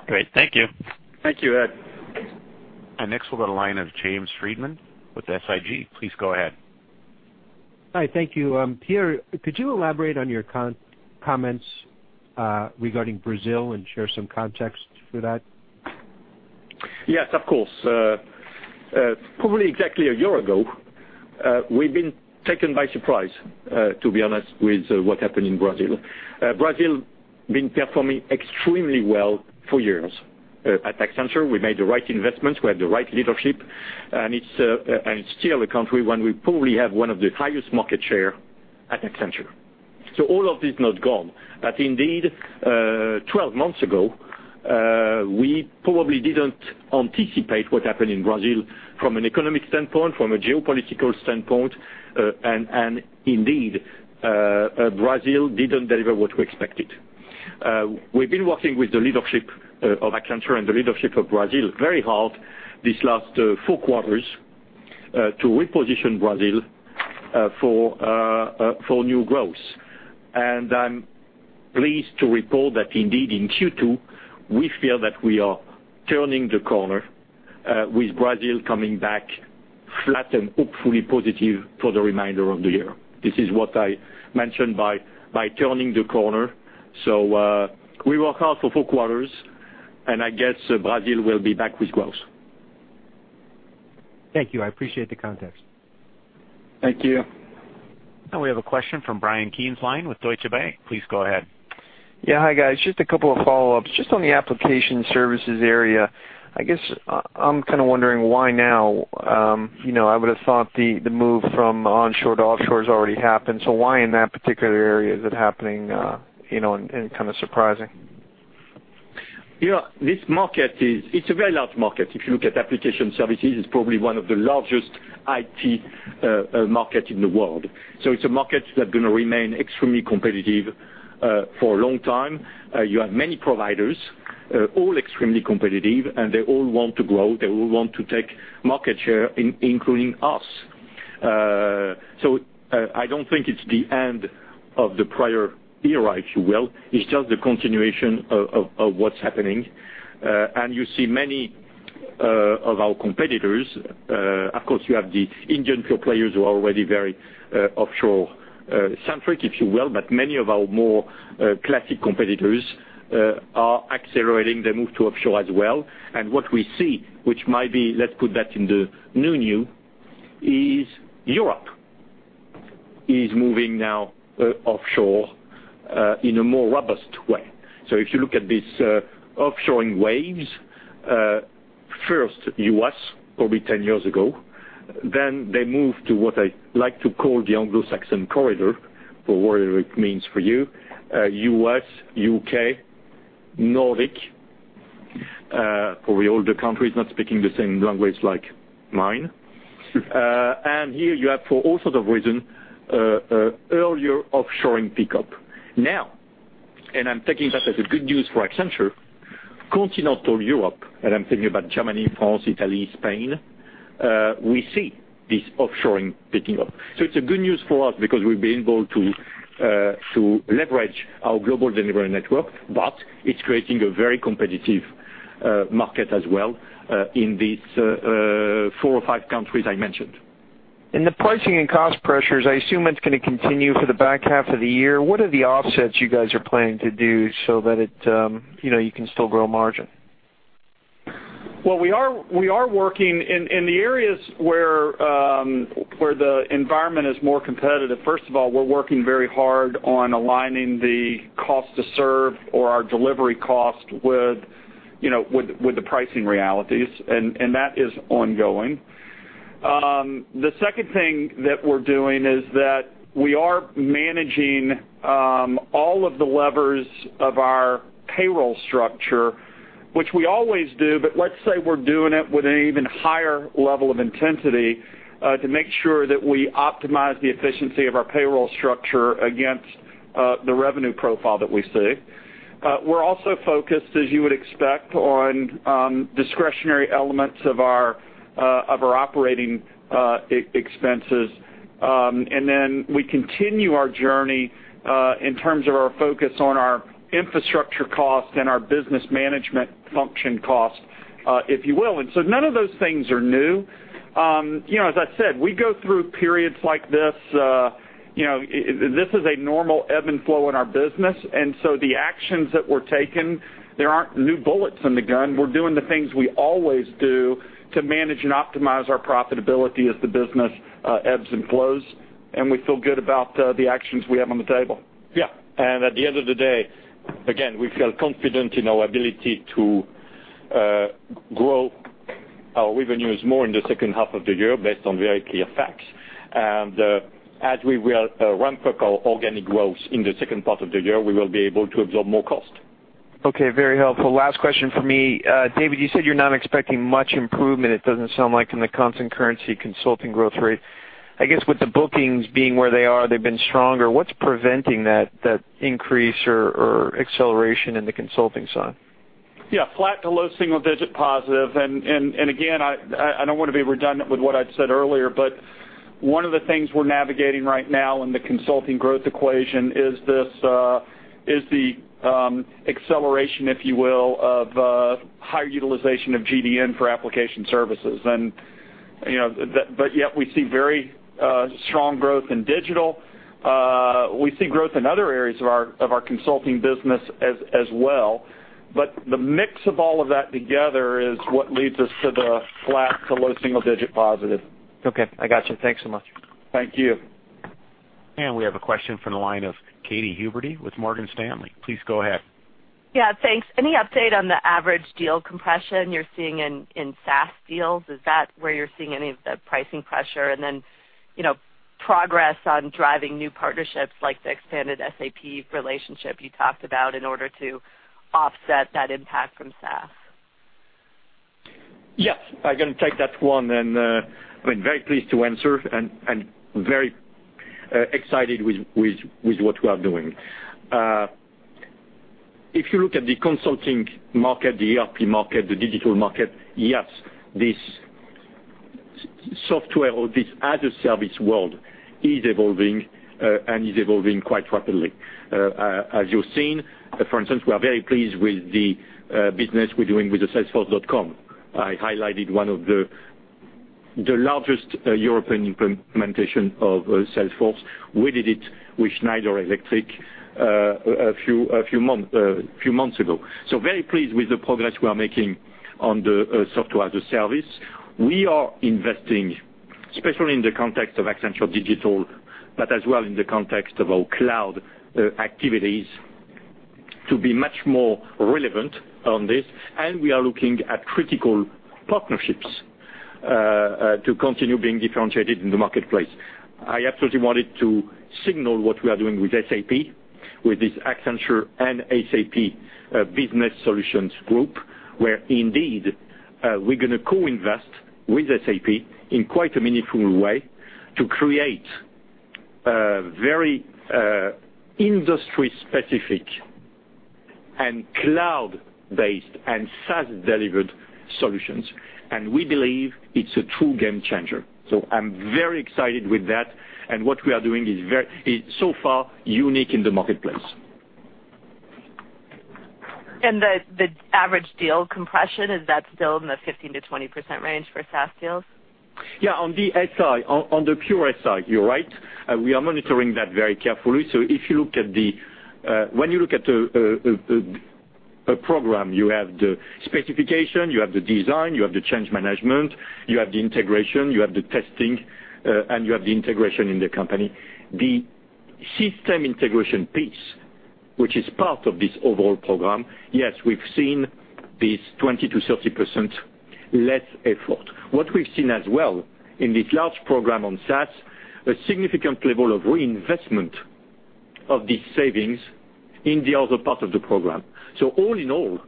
Great. Thank you. Thank you, Ed. Next we'll go to the line of James Friedman with SIG. Please go ahead. Hi. Thank you. Pierre, could you elaborate on your comments regarding Brazil and share some context for that? Yes, of course. Probably exactly a year ago, we've been taken by surprise, to be honest, with what happened in Brazil. Brazil been performing extremely well for years. At Accenture, we made the right investments. We had the right leadership, and it's still a country when we probably have one of the highest market share at Accenture. All of this not gone. Indeed, 12 months ago, we probably didn't anticipate what happened in Brazil from an economic standpoint, from a geopolitical standpoint, and indeed, Brazil didn't deliver what we expected. We've been working with the leadership of Accenture and the leadership of Brazil very hard these last four quarters to reposition Brazil for new growth. I'm pleased to report that indeed, in Q2, we feel that we are turning the corner with Brazil coming back flat and hopefully positive for the remainder of the year. This is what I mentioned by turning the corner. We work hard for four quarters, and I guess Brazil will be back with growth. Thank you. I appreciate the context. Thank you. Now we have a question from Bryan Keane with Deutsche Bank. Please go ahead. Yeah. Hi, guys. Just a couple of follow-ups. Just on the application services area, I guess I'm kind of wondering, why now? I would've thought the move from onshore to offshore has already happened. Why in that particular area is it happening and kind of surprising? This market is a very large market. If you look at application services, it's probably one of the largest IT market in the world. It's a market that's going to remain extremely competitive for a long time. You have many providers, all extremely competitive, and they all want to grow. They all want to take market share, including us. I don't think it's the end of the prior era, if you will. It's just the continuation of what's happening. You see many of our competitors. Of course, you have the Indian pure players who are already very offshore-centric, if you will, but many of our more classic competitors are accelerating their move to offshore as well. What we see, which might be, let's put that in the new new, is Europe is moving now offshore in a more robust way. If you look at these offshoring waves. First, U.S., probably 10 years ago. They moved to what I like to call the Anglo-Saxon corridor, for whatever it means for you. U.S., U.K., Nordic, for the older countries not speaking the same language like mine. Here you have, for all sorts of reason, earlier offshoring pickup. Now, I'm taking that as a good news for Accenture, Continental Europe, and I'm thinking about Germany, France, Italy, Spain, we see this offshoring picking up. It's a good news for us because we've been able to leverage our Global Delivery Network, but it's creating a very competitive market as well, in these four or five countries I mentioned. The pricing and cost pressures, I assume it's going to continue for the back half of the year. What are the offsets you guys are planning to do so that you can still grow margin? Well, we are working in the areas where the environment is more competitive. First of all, we're working very hard on aligning the cost to serve or our delivery cost with the pricing realities, and that is ongoing. The second thing that we're doing is that we are managing all of the levers of our payroll structure, which we always do, but let's say we're doing it with an even higher level of intensity, to make sure that we optimize the efficiency of our payroll structure against the revenue profile that we see. We're also focused, as you would expect, on discretionary elements of our operating expenses. Then we continue our journey, in terms of our focus on our infrastructure cost and our business management function cost, if you will. So none of those things are new. As I said, we go through periods like this. This is a normal ebb and flow in our business. So the actions that we're taking, there aren't new bullets in the gun. We're doing the things we always do to manage and optimize our profitability as the business ebbs and flows, and we feel good about the actions we have on the table. Yeah. At the end of the day, again, we feel confident in our ability to grow our revenues more in the second half of the year based on very clear facts. As we ramp up our organic growth in the second part of the year, we will be able to absorb more cost. Okay. Very helpful. Last question from me. David, you said you're not expecting much improvement, it doesn't sound like, in the constant currency consulting growth rate. I guess with the bookings being where they are, they've been stronger. What's preventing that increase or acceleration in the consulting side? Yeah. Flat to low single digit positive. Again, I don't want to be redundant with what I'd said earlier, one of the things we're navigating right now in the consulting growth equation is the acceleration, if you will, of higher utilization of GDN for application services. Yet we see very strong growth in digital. We see growth in other areas of our consulting business as well. The mix of all of that together is what leads us to the flat to low single digit positive. Okay. I got you. Thanks so much. Thank you. We have a question from the line of Katy Huberty with Morgan Stanley. Please go ahead. Yeah. Thanks. Any update on the average deal compression you're seeing in SaaS deals? Is that where you're seeing any of the pricing pressure? Progress on driving new partnerships like the expanded SAP relationship you talked about in order to offset that impact from SaaS. Yes. I can take that one, and I'm very pleased to answer and very excited with what we are doing. If you look at the consulting market, the ERP market, the digital market, yes, this software or this as-a-service world is evolving and is evolving quite rapidly. As you've seen, for instance, we are very pleased with the business we're doing with the Salesforce.com. I highlighted one of the largest European implementation of Salesforce. We did it with Schneider Electric a few months ago. Very pleased with the progress we are making on the software as a service. We are investing, especially in the context of Accenture Digital, but as well in the context of our cloud activities, to be much more relevant on this. We are looking at critical partnerships to continue being differentiated in the marketplace. I absolutely wanted to signal what we are doing with SAP, with this Accenture and SAP Business Solutions Group, where indeed, we're going to co-invest with SAP in quite a meaningful way to create a very industry specific and cloud based and SaaS delivered solutions. We believe it's a true game changer. I'm very excited with that. What we are doing is so far unique in the marketplace. The average deal compression, is that still in the 15%-20% range for SaaS deals? Yeah. On the SI, on the pure SI, you're right. We are monitoring that very carefully. When you look at a program, you have the specification, you have the design, you have the change management, you have the integration, you have the testing, and you have the integration in the company. The system integration piece, which is part of this overall program. Yes, we've seen this 20%-30% less effort. What we've seen as well in this large program on SaaS, a significant level of reinvestment of these savings in the other part of the program. All in all,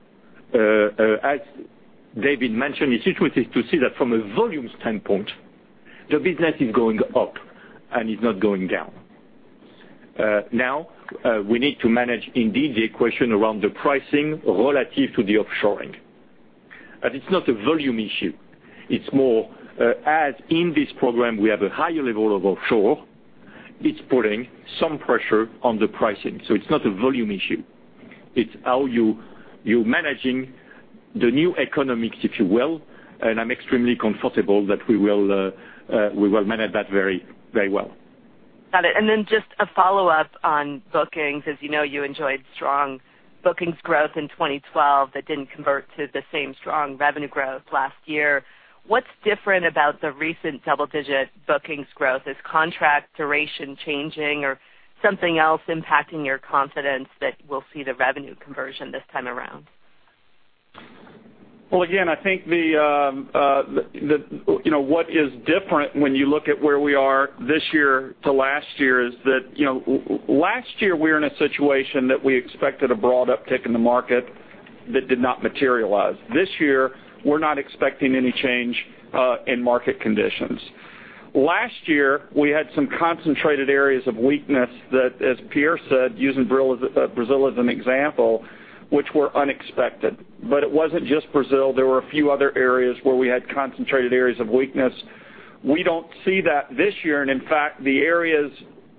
as David mentioned, it's interesting to see that from a volume standpoint, the business is going up and is not going down. We need to manage indeed the equation around the pricing relative to the offshoring. It's not a volume issue. It's more as in this program, we have a higher level of offshore. It's putting some pressure on the pricing. It's not a volume issue. It's how you're managing the new economics, if you will, and I'm extremely comfortable that we will manage that very well. Got it. Just a follow-up on bookings. As you know, you enjoyed strong bookings growth in 2012 that didn't convert to the same strong revenue growth last year. What's different about the recent double-digit bookings growth? Is contract duration changing or something else impacting your confidence that we'll see the revenue conversion this time around? Well, again, I think what is different when you look at where we are this year to last year is that last year we were in a situation that we expected a broad uptick in the market that did not materialize. This year, we're not expecting any change in market conditions. Last year, we had some concentrated areas of weakness that, as Pierre said, using Brazil as an example, which were unexpected. It wasn't just Brazil. There were a few other areas where we had concentrated areas of weakness. In fact, the areas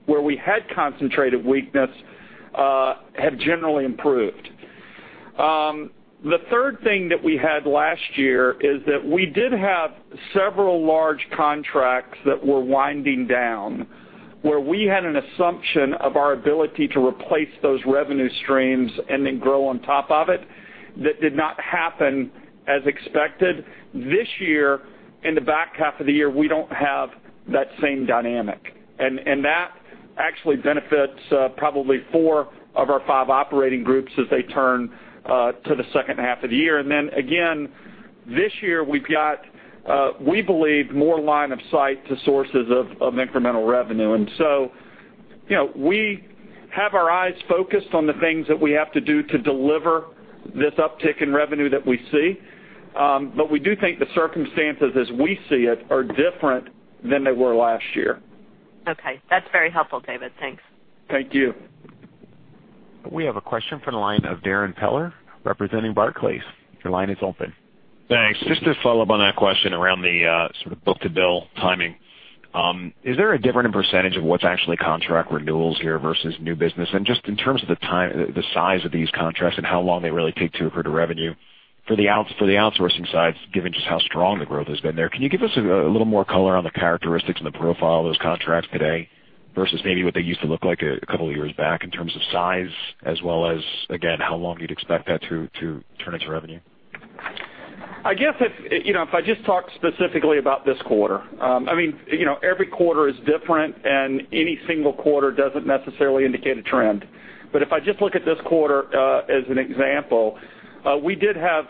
where we had concentrated weakness have generally improved. The third thing that we had last year is that we did have several large contracts that were winding down, where we had an assumption of our ability to replace those revenue streams and then grow on top of it. That did not happen as expected. This year, in the back half of the year, we don't have that same dynamic. That actually benefits probably four of our five operating groups as they turn to the second half of the year. Again, this year, we've got, we believe, more line of sight to sources of incremental revenue. We have our eyes focused on the things that we have to do to deliver this uptick in revenue that we see. We do think the circumstances as we see it are different than they were last year. Okay. That's very helpful, David. Thanks. Thank you. We have a question from the line of Darrin Peller representing Barclays. Your line is open. Thanks. Just to follow up on that question around the sort of book-to-bill timing. Is there a difference in % of what's actually contract renewals here versus new business? Just in terms of the size of these contracts and how long they really take to accrue to revenue for the outsourcing side, given just how strong the growth has been there. Can you give us a little more color on the characteristics and the profile of those contracts today versus maybe what they used to look like a couple of years back in terms of size as well as, again, how long you'd expect that to turn into revenue? I guess if I just talk specifically about this quarter. Every quarter is different, and any single quarter doesn't necessarily indicate a trend. If I just look at this quarter as an example, we did have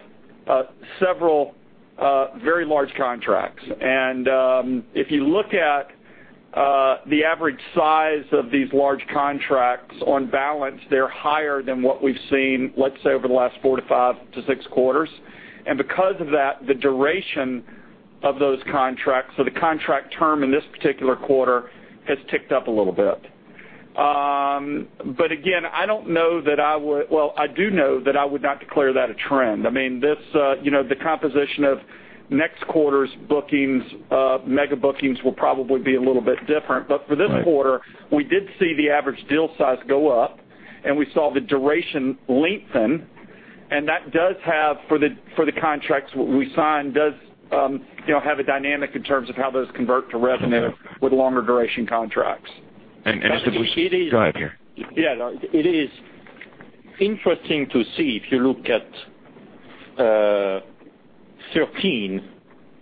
several very large contracts. If you look at the average size of these large contracts on balance, they're higher than what we've seen, let's say, over the last four to five to six quarters. Because of that, the duration of those contracts or the contract term in this particular quarter has ticked up a little bit. Again, I do know that I would not declare that a trend. The composition of next quarter's bookings, mega bookings will probably be a little bit different. For this quarter, we did see the average deal size go up, and we saw the duration lengthen, and that does have for the contracts we signed, does have a dynamic in terms of how those convert to revenue with longer duration contracts. If we. It is. Go ahead, Pierre. Yeah. It is interesting to see if you look at 2013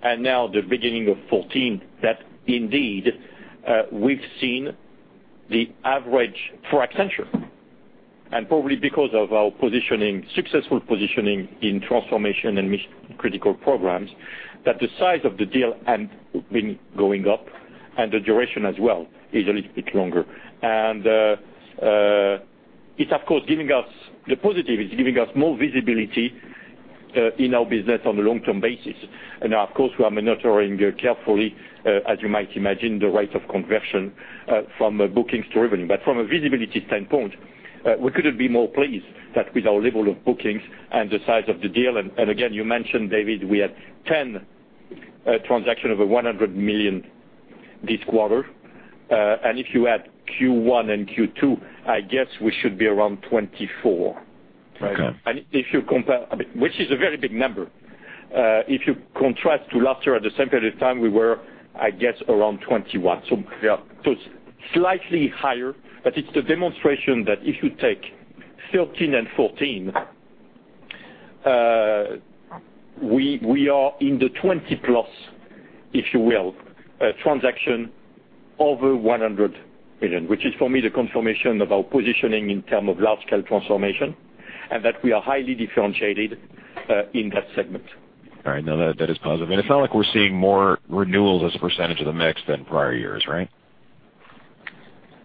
and now the beginning of 2014, that indeed we've seen the average for Accenture. Probably because of our successful positioning in transformation and mission-critical programs, the size of the deal had been going up and the duration as well is a little bit longer. The positive is giving us more visibility in our business on a long-term basis. Of course, we are monitoring carefully, as you might imagine, the rate of conversion from bookings to revenue. From a visibility standpoint, we couldn't be more pleased that with our level of bookings and the size of the deal. Again, you mentioned, David, we had 10 transactions over $100 million this quarter. If you add Q1 and Q2, I guess we should be around 24. Right. Which is a very big number. If you contrast to last year at the same period of time, we were, I guess, around 21. It's slightly higher, but it's the demonstration that if you take 2013 and 2014, we are in the 20-plus, if you will, transaction over $100 million, which is for me the confirmation of our positioning in terms of large scale transformation and that we are highly differentiated in that segment. All right. No, that is positive. It's not like we're seeing more renewals as a % of the mix than prior years, right?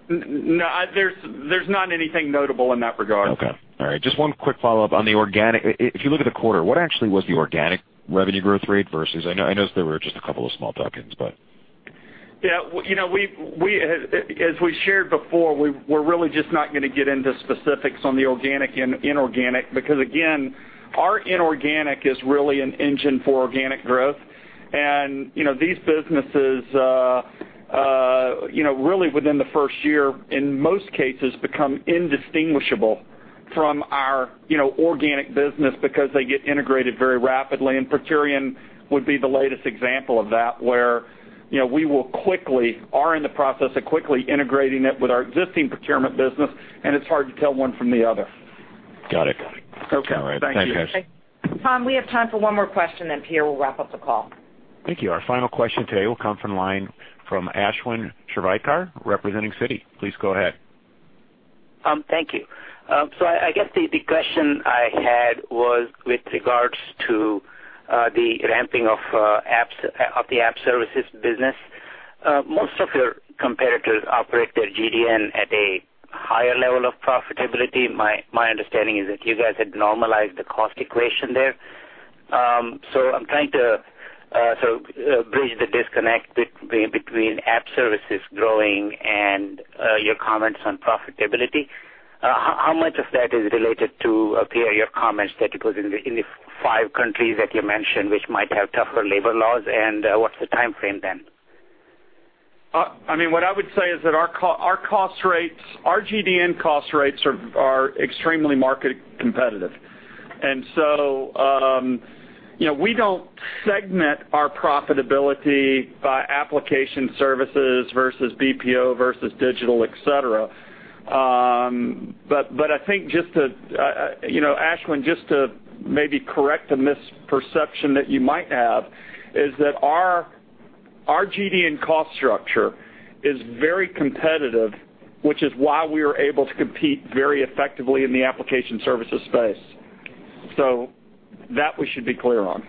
No, there's not anything notable in that regard. Okay. All right. Just one quick follow-up on the organic. If you look at the quarter, what actually was the organic revenue growth rate versus-- I noticed there were just a couple of small tuck-ins but Yeah. As we shared before, we're really just not going to get into specifics on the organic and inorganic because, again, our inorganic is really an engine for organic growth. These businesses really within the first year, in most cases become indistinguishable from our organic business because they get integrated very rapidly. Procurian would be the latest example of that, where we are in the process of quickly integrating it with our existing procurement business, and it's hard to tell one from the other. Got it. Okay. All right. Thanks, Ash. Thank you. Tom, we have time for one more question, then Pierre will wrap up the call. Thank you. Our final question today will come from line from Ashwin Shirvaikar representing Citi. Please go ahead. Thank you. I guess the question I had was with regards to the ramping of the app services business. Most of your competitors operate their GDN at a higher level of profitability. My understanding is that you guys had normalized the cost equation there. I'm trying to sort of bridge the disconnect between app services growing and your comments on profitability. How much of that is related to, Pierre, your comments that it was in the five countries that you mentioned which might have tougher labor laws, and what's the timeframe then? What I would say is that our GDN cost rates are extremely market competitive. We don't segment our profitability by application services versus BPO versus digital, et cetera. Ashwin, just to maybe correct a misperception that you might have is that our GDN cost structure is very competitive, which is why we are able to compete very effectively in the application services space. That we should be clear on.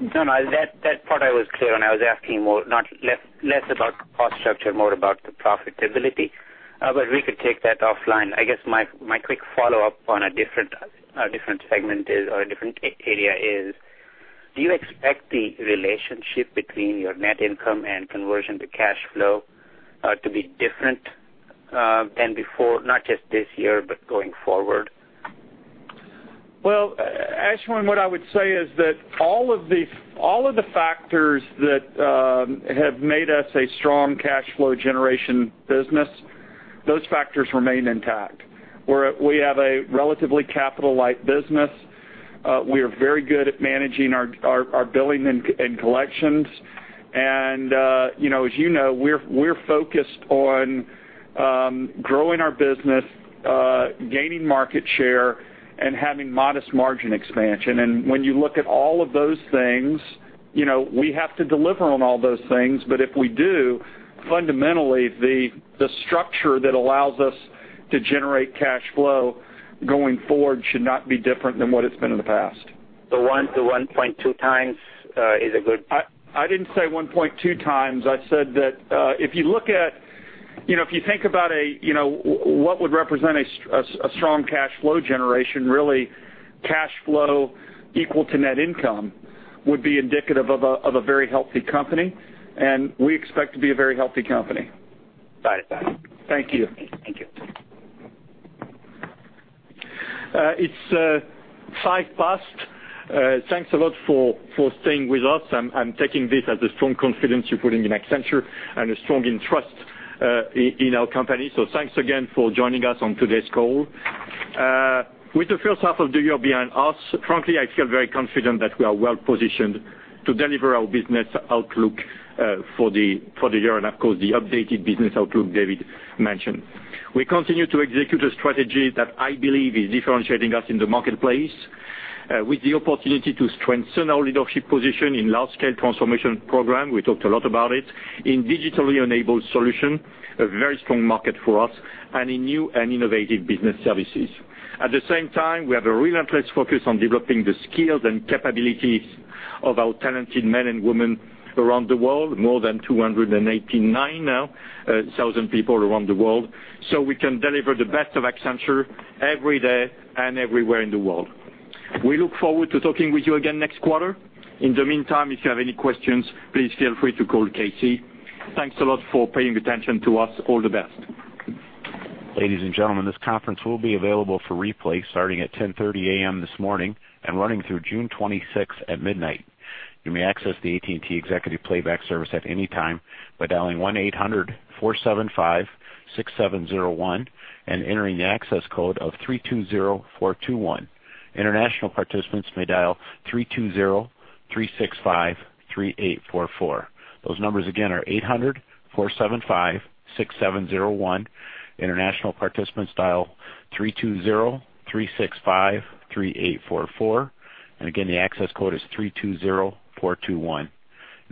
That part I was clear on. I was asking less about cost structure, more about the profitability. We could take that offline. I guess my quick follow-up on a different segment or a different area is, do you expect the relationship between your net income and conversion to cash flow to be different than before, not just this year, but going forward? Well, Ashwin, what I would say is that all of the factors that have made us a strong cash flow generation business, those factors remain intact. We have a relatively capital-light business. We are very good at managing our billing and collections. As you know, we're focused on growing our business, gaining market share and having modest margin expansion. When you look at all of those things, we have to deliver on all those things. If we do, fundamentally, the structure that allows us to generate cash flow going forward should not be different than what it's been in the past. One to 1.2 times is a good- I didn't say 1.2 times. I said that if you think about what would represent a strong cash flow generation, really cash flow equal to net income would be indicative of a very healthy company, and we expect to be a very healthy company. Got it. Thank you. Thank you. It's five past. Thanks a lot for staying with us. I'm taking this as a strong confidence you're putting in Accenture and a strong interest in our company. Thanks again for joining us on today's call. With the first half of the year behind us, frankly, I feel very confident that we are well-positioned to deliver our business outlook for the year and of course, the updated business outlook David mentioned. We continue to execute a strategy that I believe is differentiating us in the marketplace. With the opportunity to strengthen our leadership position in large-scale transformation program, we talked a lot about it. In digitally enabled solution, a very strong market for us and in new and innovative business services. At the same time, we have a relentless focus on developing the skills and capabilities of our talented men and women around the world. More than 289,000 people around the world. We can deliver the best of Accenture every day and everywhere in the world. We look forward to talking with you again next quarter. In the meantime, if you have any questions, please feel free to call KC. Thanks a lot for paying attention to us. All the best. Ladies and gentlemen, this conference will be available for replay starting at 10:30 A.M. this morning and running through June 26th at midnight. You may access the AT&T Executive Playback service at any time by dialing 1-800-475-6701 and entering the access code of 320421. International participants may dial 320-365-3844. Those numbers again are 800-475-6701. International participants dial 320-365-3844. Again, the access code is 320421.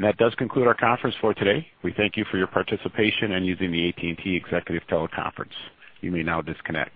That does conclude our conference for today. We thank you for your participation in using the AT&T Executive Teleconference. You may now disconnect.